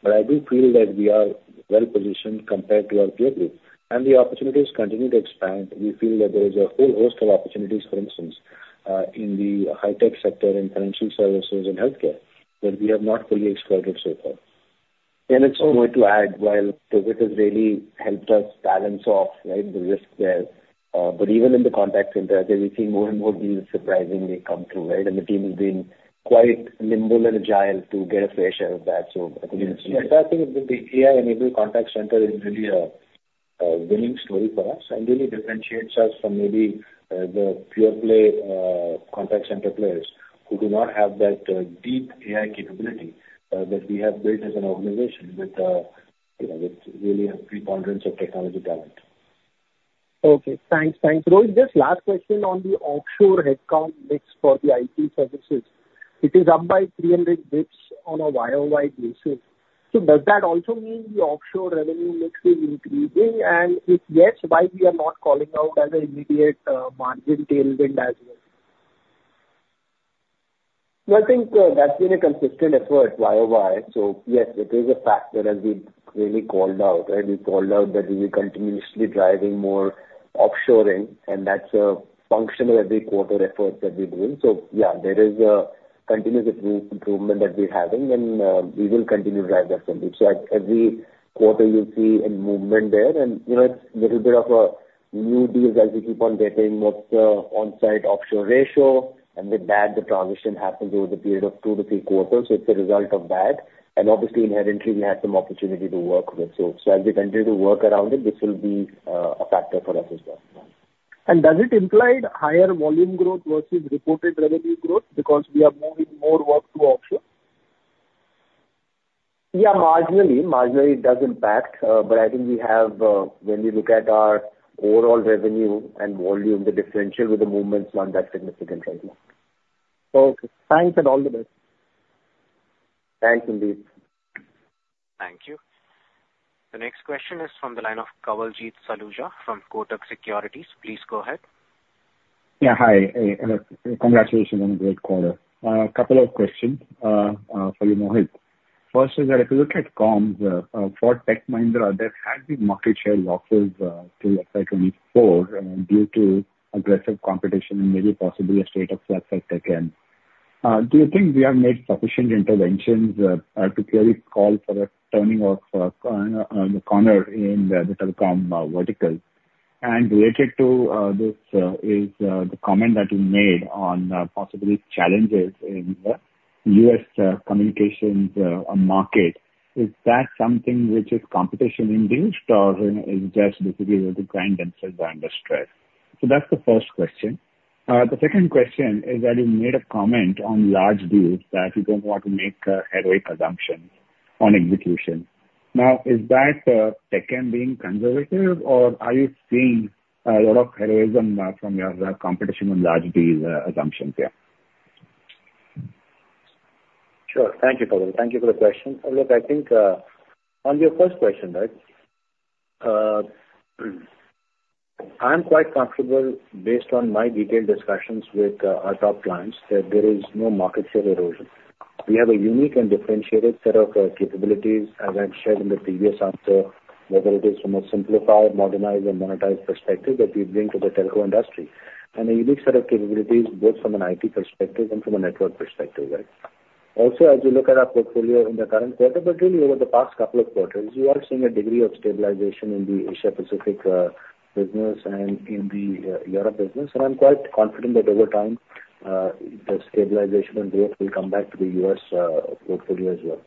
But I do feel that we are well positioned compared to our peer group, and the opportunities continue to expand. We feel that there is a whole host of opportunities, for instance, in the high-tech sector, in financial services and healthcare, that we have not fully exploited so far. And it's also to add, while it has really helped us balance off, right, the risk there, but even in the contact center, we see more and more deals surprisingly come through, right? And the team has been quite nimble and agile to get a fair share of that, so I think. Yeah, I think the AI-enabled contact center is really a winning story for us and really differentiates us from maybe the pure play contact center players who do not have that deep AI capability that we have built as an organization with you know with really a preponderance of technology talent. Okay. Thanks. Thanks. Rohit, just last question on the offshore headcount mix for the IT services. It is up by 300 basis points on a YoY basis. So does that also mean the offshore revenue mix is increasing? And if yes, why we are not calling out as an immediate margin tailwind as well? I think that's been a consistent effort YoY. Yes, it is a factor as we've really called out, and we called out that we will continuously be driving more offshoring, and that's a function of every quarter efforts that we're doing. Yeah, there is a continuous improvement that we're having, and we will continue to drive that from it. At every quarter, you'll see a movement there, and you know, it's a little bit of a new deals as we keep on getting on-site offshore ratio, and with that, the transition happens over the period of two to three quarters. It's a result of that. Obviously, inherently, we have some opportunity to work with. As we continue to work around it, this will be a factor for us as well. Does it imply higher volume growth versus reported revenue growth because we are moving more work to offshore? Yeah, marginally. Marginally, it does impact, but I think we have, when we look at our overall revenue and volume, the differential with the movement is not that significant right now. Okay, thanks, and all the best. Thanks, indeed. Thank you. The next question is from the line of Kawaljeet Saluja from Kotak Securities. Please go ahead. Yeah, hi, and congratulations on a great quarter. A couple of questions for you, Mohit. First is that if you look at comms for Tech Mahindra, there has been market share losses till FY2024 due to aggressive competition and maybe possibly a state of flat second. Do you think we have made sufficient interventions to clearly call for a turning of the corner in the telecom vertical? And related to this is the comment that you made on possibly challenges in the U.S. communications market. Is that something which is competition induced or is just basically with the kind itself being under stress? So that's the first question. The second question is that you made a comment on large deals, that you don't want to make heroic assumptions on execution. Now, is that Tech Mahindra being conservative, or are you seeing a lot of heroism from your competition on large deals assumptions there? Sure. Thank you, Kawaljeet. Thank you for the question. Look, I think, on your first question, right, I'm quite comfortable based on my detailed discussions with, our top clients, that there is no market share erosion. We have a unique and differentiated set of, capabilities, as I've shared in the previous answer, whether it is from a simplified, modernized, or monetized perspective, that we bring to the telco industry. And a unique set of capabilities, both from an IT perspective and from a network perspective, right? Also, as you look at our portfolio in the current quarter, but really over the past couple of quarters, you are seeing a degree of stabilization in the Asia Pacific, business and in the, Europe business. And I'm quite confident that over time, the stabilization and growth will come back to the U.S., portfolio as well.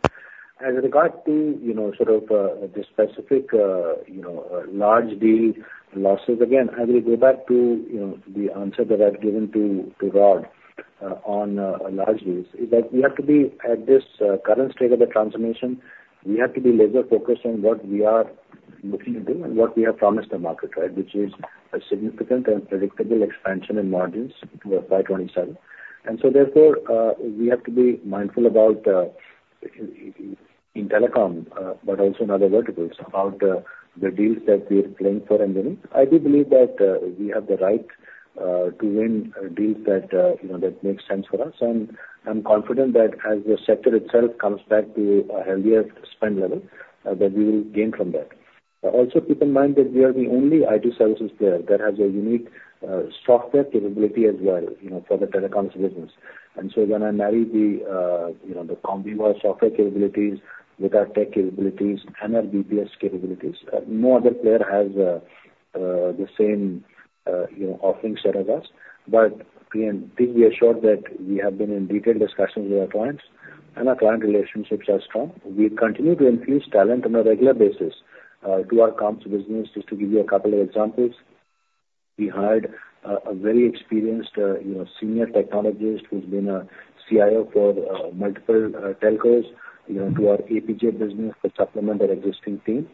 As regards to, you know, sort of, the specific, you know, large deal losses, again, I will go back to, you know, the answer that I've given to Rod, on large deals, is that we have to be at this current state of the transformation. We have to be laser-focused on what we are looking to do and what we have promised the market, right? Which is a significant and predictable expansion in margins to FY2027. And so therefore, we have to be mindful about in telecom, but also in other verticals, about the deals that we are playing for and winning. I do believe that we have the right to win deals that you know that make sense for us. And I'm confident that as the sector itself comes back to a healthier spend level, that we will gain from that. Also, keep in mind that we are the only IT services player that has a unique, software capability as well, you know, for the telecoms business. And so when I marry the, you know, the Comviva software capabilities with our tech capabilities and our BPS capabilities, no other player has, the same, you know, offering set as us. But please be assured that we have been in detailed discussions with our clients, and our client relationships are strong. We continue to increase talent on a regular basis, to our comms business. Just to give you a couple of examples, we hired a very experienced, you know, senior technologist who's been a CIO for multiple telcos, you know, to our APJ business to supplement our existing team.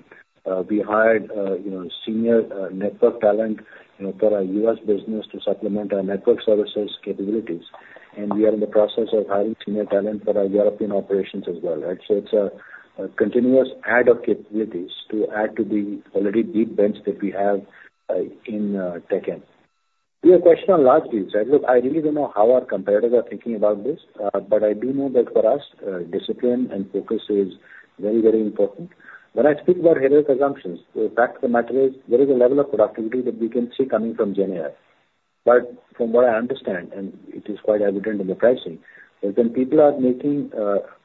We hired, you know, senior network talent, you know, for our U.S. business to supplement our network services capabilities, and we are in the process of hiring senior talent for our European operations as well, right, so it's a continuous add of capabilities to add to the already deep bench that we have in Tech Mahindra. To your question on large deals, right, look, I really don't know how our competitors are thinking about this, but I do know that for us, discipline and focus is very, very important. When I speak about heroic assumptions, the fact of the matter is, there is a level of productivity that we can see coming from GenAI. But from what I understand, and it is quite evident in the pricing, is when people are making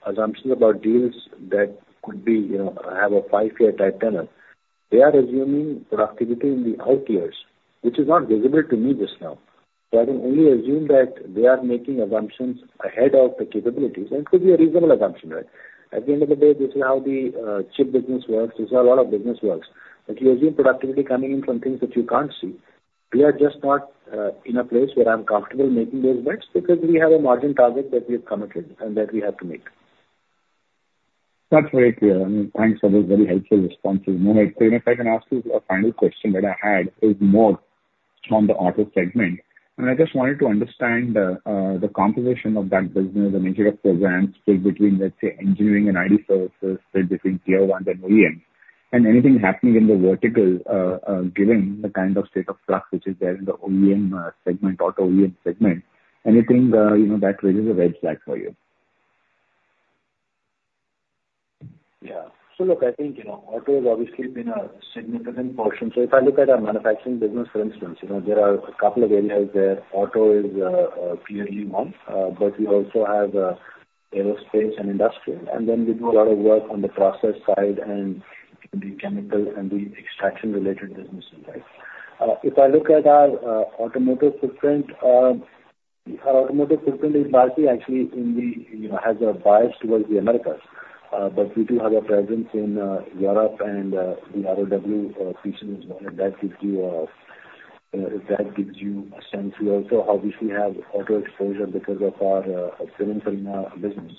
assumptions about deals that could be, you know, have a five-year type tenure, they are assuming productivity in the out years, which is not visible to me just now. So I can only assume that they are making assumptions ahead of the capabilities, and it could be a reasonable assumption, right? At the end of the day, this is how the chip business works. This is how a lot of business works. But you assume productivity coming in from things that you can't see. We are just not in a place where I'm comfortable making those bets, because we have a margin target that we have committed, and that we have to make. That's very clear, and thanks for those very helpful responses. So if I can ask you a final question that I had, is more on the auto segment. And I just wanted to understand, the composition of that business in terms of programs between, let's say, engineering and IT services between tier one and OEM. And anything happening in the vertical, given the kind of state of flux which is there in the OEM, segment, auto OEM segment, anything, you know, that raises a red flag for you? Yeah. So look, I think, you know, auto has obviously been a significant portion. So if I look at our manufacturing business, for instance, you know, there are a couple of areas where auto is clearly one, but we also have Aerospace and Industrial, and then we do a lot of work on the process side and in the chemical and the extraction-related businesses, right? If I look at our automotive footprint, our automotive footprint is largely actually in the, you know, has a bias towards the Americas. But we do have a presence in Europe and the ROW region as well, and that gives you, if that gives you a sense. We also obviously have auto exposure because of our Pininfarina business.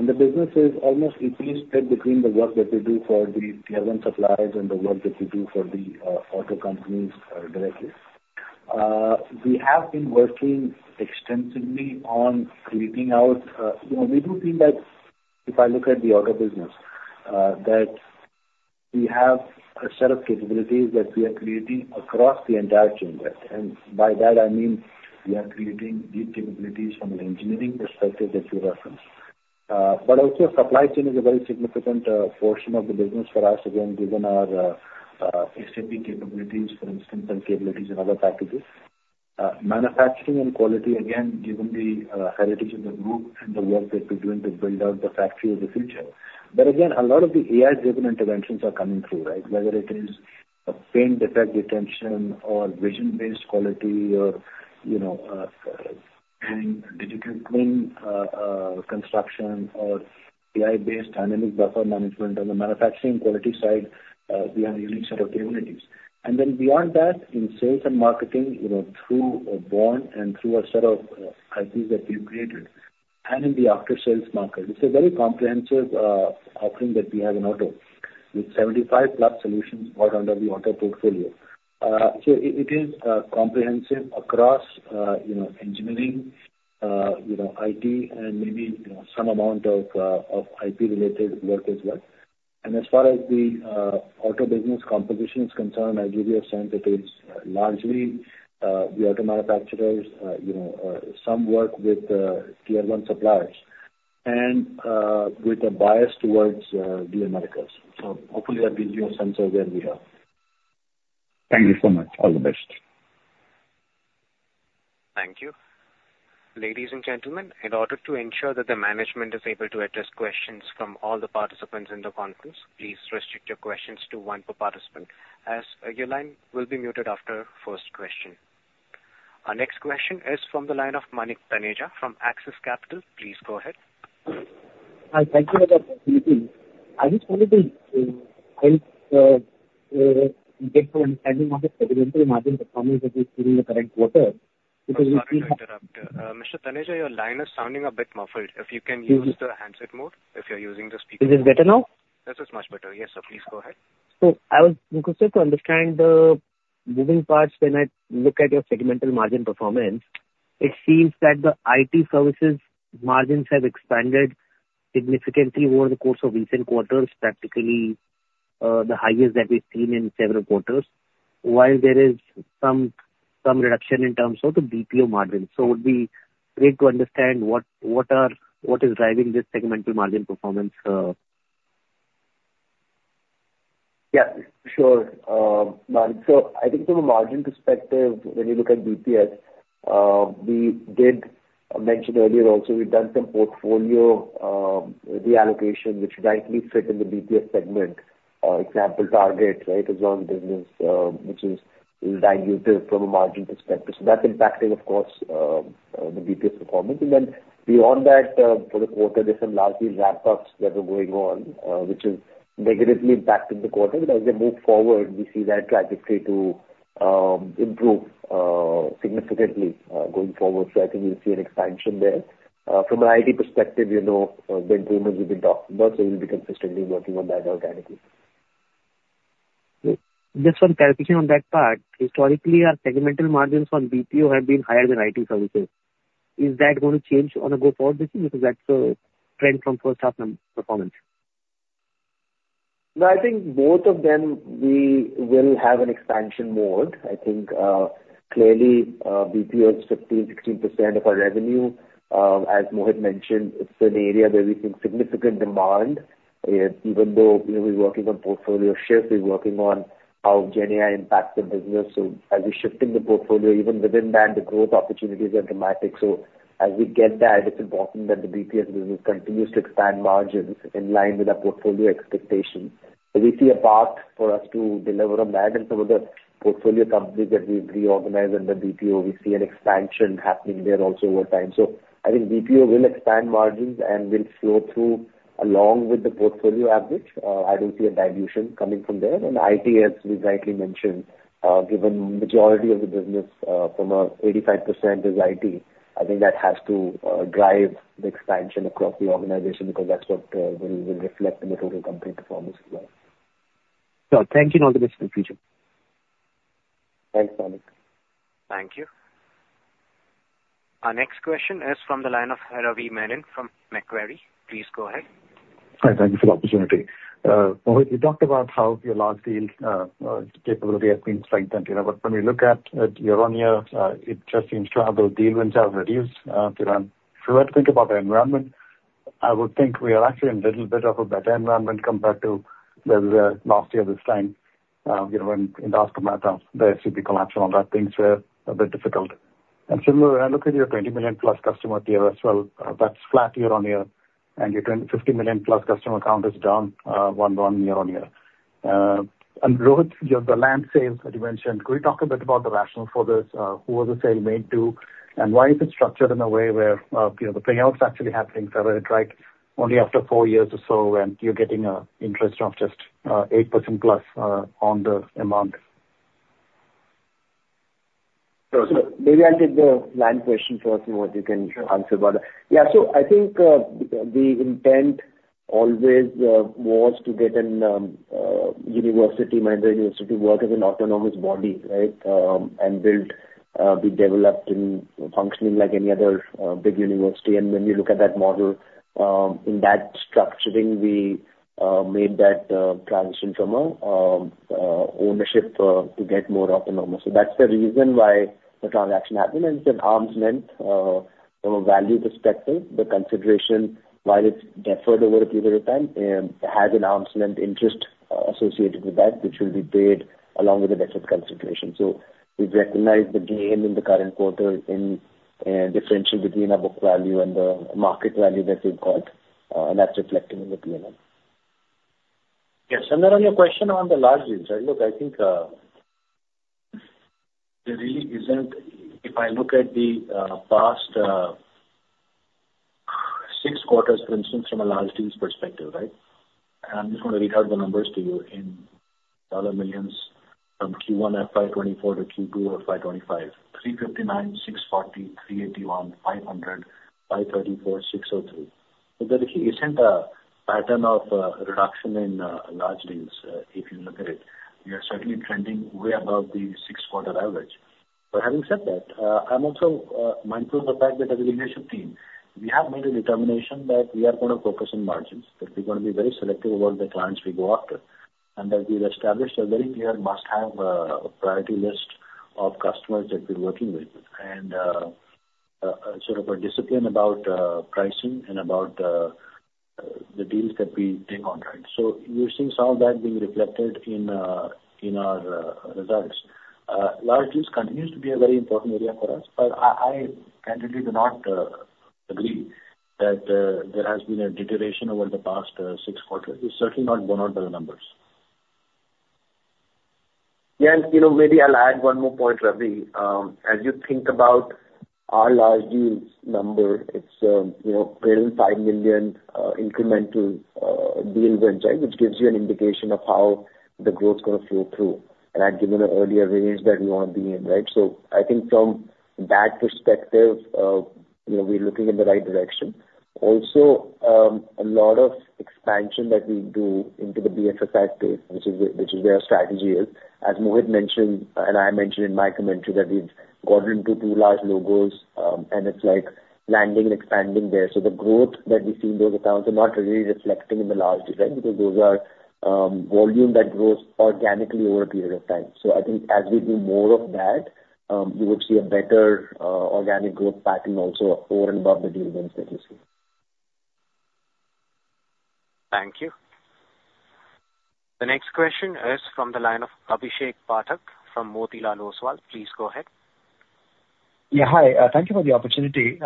The business is almost equally split between the work that we do for the tier one suppliers and the work that we do for the auto companies directly. We have been working extensively. You know, we do feel that if I look at the auto business that we have a set of capabilities that we are creating across the entire value chain. And by that I mean, we are creating deep capabilities from an engineering perspective, as you referenced. But also supply chain is a very significant portion of the business for us, again, given our SAP capabilities, for instance, and capabilities in other packages. Manufacturing and quality, again, given the heritage of the group and the work that we're doing to build out the factory of the future. But again, a lot of the AI-driven interventions are coming through, right? Whether it is a paint defect detection or vision-based quality or, you know, digitizing construction or AI-based dynamic buffer management. On the manufacturing quality side, we have a unique set of capabilities. And then beyond that, in sales and marketing, you know, through Born and through a set of IPs that we've created and in the after-sales market. It's a very comprehensive offering that we have in auto, with 75+ solutions brought under the auto portfolio. So it is comprehensive across, you know, engineering, you know, IT, and maybe, you know, some amount of IP-related work as well. And as far as the auto business composition is concerned, I'll give you a sense that it's largely the auto manufacturers, you know, some work with tier one suppliers and with a bias towards the Americas. So hopefully that gives you a sense of where we are. Thank you so much. All the best. Thank you. Ladies and gentlemen, in order to ensure that the management is able to address questions from all the participants in the conference, please restrict your questions to one per participant, as your line will be muted after first question. Our next question is from the line of Manik Taneja from Axis Capital. Please go ahead. Thank you for that. I just wanted to get an understanding of the revenue margin performance that is during the current quarter. Sorry to interrupt. Mr. Taneja, your line is sounding a bit muffled. If you can use the handset mode, if you're using the speaker phone. Is it better now? This is much better. Yes, sir, please go ahead. So I was interested to understand the moving parts when I look at your segmental margin performance. It seems that the IT services margins have expanded significantly over the course of recent quarters, practically, the highest that we've seen in several quarters, while there is some reduction in terms of the BPO margins. So it would be great to understand what is driving this segmental margin performance. Yeah, sure, so I think from a margin perspective, when you look at BPS, we did mention earlier also, we've done some portfolio reallocation, which rightly fit in the BPS segment. Example, Target, right, is one business, which is dilutive from a margin perspective. So that's impacting, of course, the BPS performance. And then beyond that, for the quarter, there's some large deal ramp-ups that are going on, which is negatively impacting the quarter. But as we move forward, we see that trajectory to improve significantly going forward. So I think you'll see an expansion there. From an IT perspective, you know, win themes will be talked about, so we'll be consistently working on that organically. Just for clarification on that part, historically, our segmental margins on BPO have been higher than IT services. Is that going to change on a go-forward basis? Because that's a trend from first half numbers performance. No, I think both of them, we will have an expansion mode. I think, clearly, BPO is 15%, 16% of our revenue. As Mohit mentioned, it's an area where we've seen significant demand, even though, you know, we're working on portfolio shifts, we're working on how GenAI impacts the business. So as we're shifting the portfolio, even within that, the growth opportunities are dramatic. So as we get that, it's important that the BPS business continues to expand margins in line with our portfolio expectations. So we see a path for us to deliver on that, and some of the portfolio companies that we've reorganized under BPO, we see an expansion happening there also over time. So I think BPO will expand margins and will flow through along with the portfolio average. I don't see a dilution coming from there. IT, as we rightly mentioned, given majority of the business from our 85% is IT. I think that has to drive the expansion across the organization, because that's what will reflect in the total company performance as well. Sure. Thank you, and all the best in the future. Thanks, Manik. Thank you. Our next question is from the line of Ravi Menon from Macquarie. Please go ahead. Hi, thank you for the opportunity. Mohit, you talked about how your large deals capability has been strengthened, you know, but when we look at it year-on-year, it just seems to have those deal wins have reduced, you know. If you were to think about the environment, I would think we are actually in a little bit of a better environment compared to where we were last year this time, you know, when in the aftermath of the SVB collapse and all that, things were a bit difficult, and similarly, when I look at your 20 million-plus customer tier as well, that's flat year-on-year, and your 20-50 million-plus customer count is down 1% year-on-year. And Rohit, your, the land sales that you mentioned, could you talk a bit about the rationale for this? Who was the sale made to, and why is it structured in a way where, you know, the payouts actually happening, right, only after four years or so, and you're getting a interest of just, 8%+, on the amount? So maybe I'll take the land question first, and Mohit you can answer about it. Yeah, so I think, the intent always, was to get an, university, Mahindra University work as an autonomous body, right? And built, be developed and functioning like any other, big university. And when you look at that model, in that structuring, we, made that, transition from a, ownership, to get more autonomous. So that's the reason why the transaction happened, and it's an arm's length, from a value perspective. The consideration, while it's deferred over a period of time, has an arm's length interest, associated with that, which will be paid along with the rest of the consideration. So we've recognized the gain in the current quarter in differential between our book value and the market value that we've got, and that's reflected in the P&L. Yes, and then on your question on the large deals, right? Look, I think, there really isn't, if I look at the past six quarters, for instance, from a large deals perspective, right? I'm just going to read out the numbers to you in dollar millions from Q1 of 2024 to Q2 of 2025; $359 million, $640 million, $381 million, $500 million, $534 million, $603 million. So there really isn't a pattern of reduction in large deals, if you look at it. We are certainly trending way above the six-quarter average. But having said that, I'm also mindful of the fact that as a leadership team, we have made a determination that we are going to focus on margins, that we're going to be very selective about the clients we go after, and that we've established a very clear must-have priority list of customers that we're working with, and sort of a discipline about pricing and about the deals that we take on, right? So you're seeing some of that being reflected in our results. Large deals continues to be a very important area for us, but I candidly do not agree that there has been a deterioration over the past six quarters. It's certainly not borne out by the numbers. Yeah, and, you know, maybe I'll add one more point, Ravi. As you think about our large deal number, it's you know, barely five million incremental deal wins, right? Which gives you an indication of how the growth is gonna flow through. And I've given an earlier range that we want to be in, right? So I think from that perspective, you know, we're looking in the right direction. Also, a lot of expansion that we do into the BFSI space, which is where our strategy is. As Mohit mentioned, and I mentioned in my commentary, that we've got into two large logos, and it's like landing and expanding there. So the growth that we see in those accounts are not really reflecting in the large deal, because those are volume that grows organically over a period of time. So I think as we do more of that, you would see a better, organic growth pattern also over and above the deal wins that you see. Thank you. The next question is from the line of Abhishek Pathak from Motilal Oswal. Please go ahead. Yeah, hi. Thank you for the opportunity.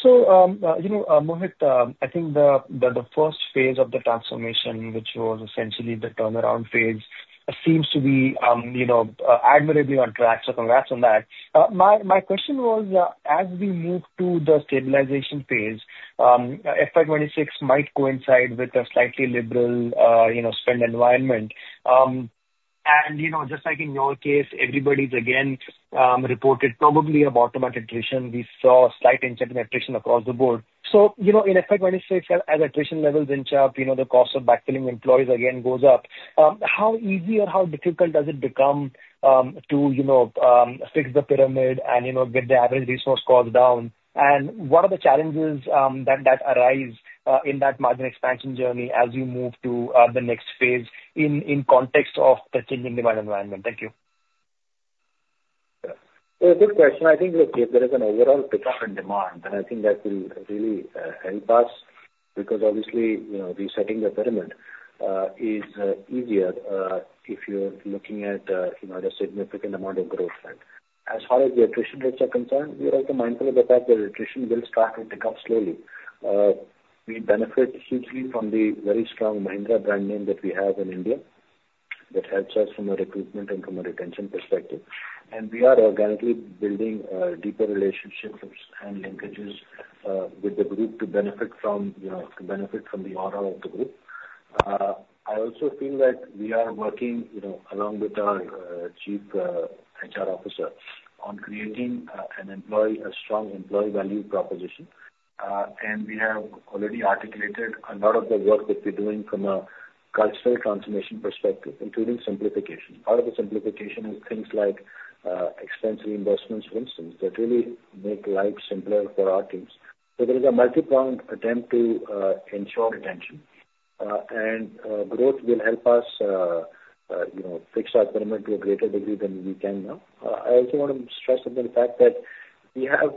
So, you know, Mohit, I think the first phase of the transformation, which was essentially the turnaround phase, seems to be, you know, admirably on track. So congrats on that. My question was, as we move to the stabilization phase, FY2026 might coincide with a slightly liberal, you know, spend environment. And, you know, just like in your case, everybody's again reported probably a bottom attrition. We saw a slight inch up in attrition across the board. So, you know, in FY2026, as attrition levels inch up, you know, the cost of backfilling employees again goes up. How easy or how difficult does it become, to, you know, fix the pyramid and, you know, get the average resource costs down? What are the challenges that arise in that margin expansion journey as you move to the next phase in context of the changing demand environment? Thank you. Yeah, good question. I think, look, if there is an overall pickup in demand, then I think that will really help us, because obviously, you know, resetting the pyramid is easier if you're looking at you know, a significant amount of growth. And as far as the attrition rates are concerned, we are also mindful of the fact that attrition will start to pick up slowly. We benefit hugely from the very strong Mahindra brand name that we have in India. That helps us from a recruitment and from a retention perspective. And we are organically building deeper relationships and linkages with the group to benefit from, you know, to benefit from the aura of the group. I also feel that we are working, you know, along with our chief HR officer on creating an employee, a strong employee value proposition. And we have already articulated a lot of the work that we're doing from a cultural transformation perspective, including simplification. Part of the simplification is things like expense reimbursements, for instance, that really make life simpler for our teams. So there is a multipoint attempt to ensure retention and growth will help us, you know, fix our pyramid to a greater degree than we can now. I also want to stress upon the fact that we have,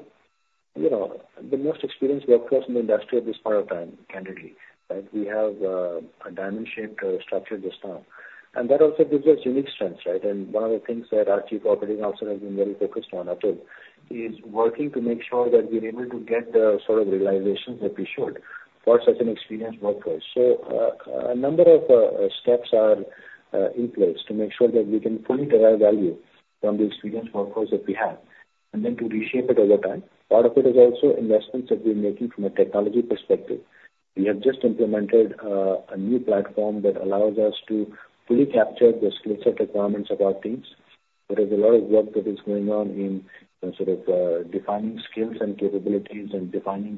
you know, the most experienced workforce in the industry at this point of time, candidly, right? We have a diamond-shaped structure this time, and that also gives us unique strengths, right? And one of the things that our Chief Operating Officer has been very focused on, Atul, he is working to make sure that we're able to get the sort of realization that we should for such an experienced workforce. So, a number of steps are in place to make sure that we can fully derive value from the experienced workforce that we have, and then to reshape it over time. Part of it is also investments that we're making from a technology perspective. We have just implemented a new platform that allows us to fully capture the skill set requirements of our teams. There is a lot of work that is going on in sort of defining skills and capabilities and defining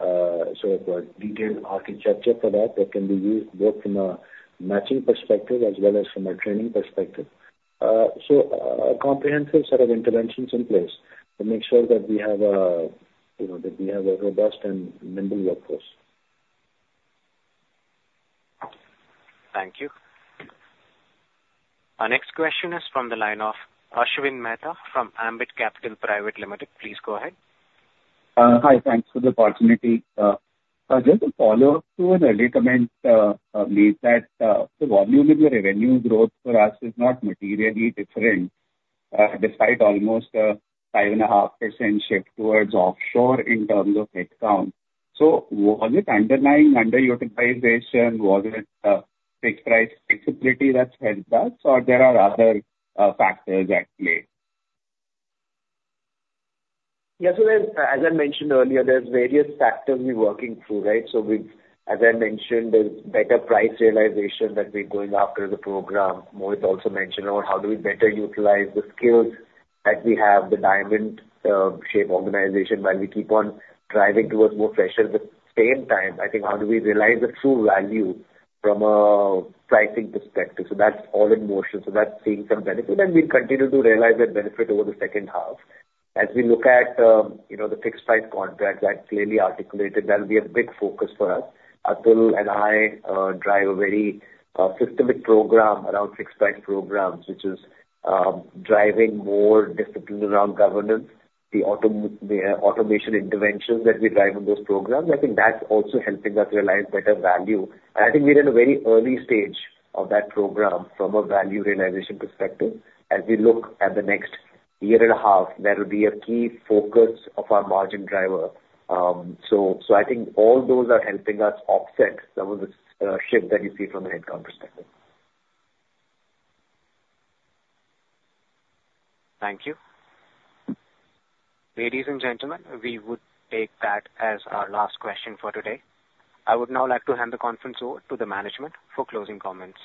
the sort of detailed architecture for that, that can be used both from a matching perspective as well as from a training perspective. So a comprehensive set of interventions in place to make sure that we have a, you know, that we have a robust and nimble workforce. Thank you. Our next question is from the line of Ashwin Mehta from Ambit Capital Private Limited. Please go ahead. Hi. Thanks for the opportunity. Just a follow-up to an earlier comment that the volume of the revenue growth for us is not materially different, despite almost a 5.5% shift towards offshore in terms of headcount. So was it underlying underutilization? Was it fixed price flexibility that's helped us, or there are other factors at play? Yeah. So as I mentioned earlier, there's various factors we're working through, right? So we've. As I mentioned, there's better price realization that we're going after the program. Mohit also mentioned about how do we better utilize the skills that we have, the diamond-shaped organization, while we keep on driving towards more pressures. But at the same time, I think how do we realize the true value from a pricing perspective? So that's all in motion. So that's seeing some benefit, and we'll continue to realize that benefit over the second half. As we look at, you know, the fixed price contracts, that's clearly articulated, that'll be a big focus for us. Atul and I drive a very systematic program around fixed price programs, which is driving more discipline around governance. The automation interventions that we drive on those programs, I think that's also helping us realize better value. And I think we're in a very early stage of that program from a value realization perspective. As we look at the next year and a half, that will be a key focus of our margin driver. So I think all those are helping us offset some of the shift that you see from a headcount perspective. Thank you. Ladies and gentlemen, we would take that as our last question for today. I would now like to hand the conference over to the management for closing comments.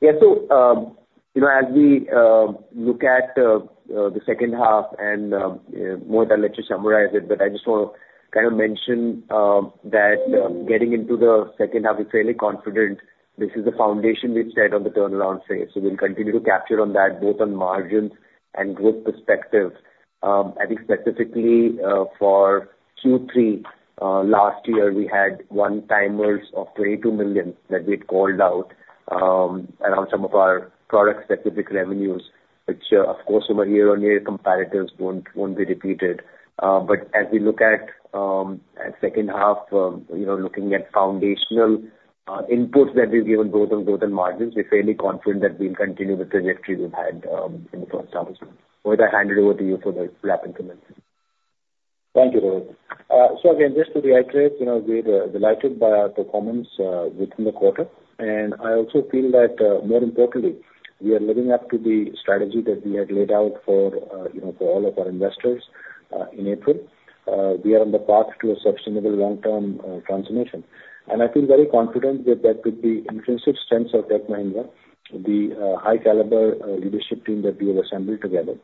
Yeah, so, you know, as we look at the second half and, Mohit, I'll let you summarize it, but I just want to kind of mention that getting into the second half, we're fairly confident this is the foundation we've set on the turnaround phase. So we'll continue to capture on that, both on margins and growth perspectives. I think specifically, for Q3 last year, we had one-timers of $22 million that we had called out around some of our product-specific revenues, which, of course, over year-on-year comparatives won't be repeated. But as we look at the second half, you know, looking at foundational inputs that we've given both on growth and margins, we're fairly confident that we'll continue the trajectory we've had in the first half. Mohit, I hand it over to you for the wrap and comments. Thank you, Rohit. So again, just to reiterate, you know, we're delighted by our performance within the quarter, and I also feel that, more importantly, we are living up to the strategy that we had laid out for, you know, for all of our investors in April. We are on the path to a sustainable long-term transformation, and I feel very confident that with the intrinsic strengths of Tech Mahindra, the high caliber leadership team that we have assembled together,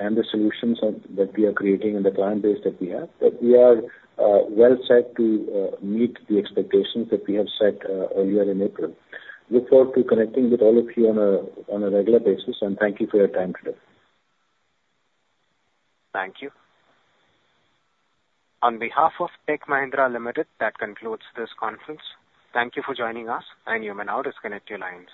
and the solutions that we are creating and the client base that we have, that we are well set to meet the expectations that we have set earlier in April. Look forward to connecting with all of you on a regular basis, and thank you for your time today. Thank you. On behalf of Tech Mahindra Limited, that concludes this conference. Thank you for joining us, and you may now disconnect your lines.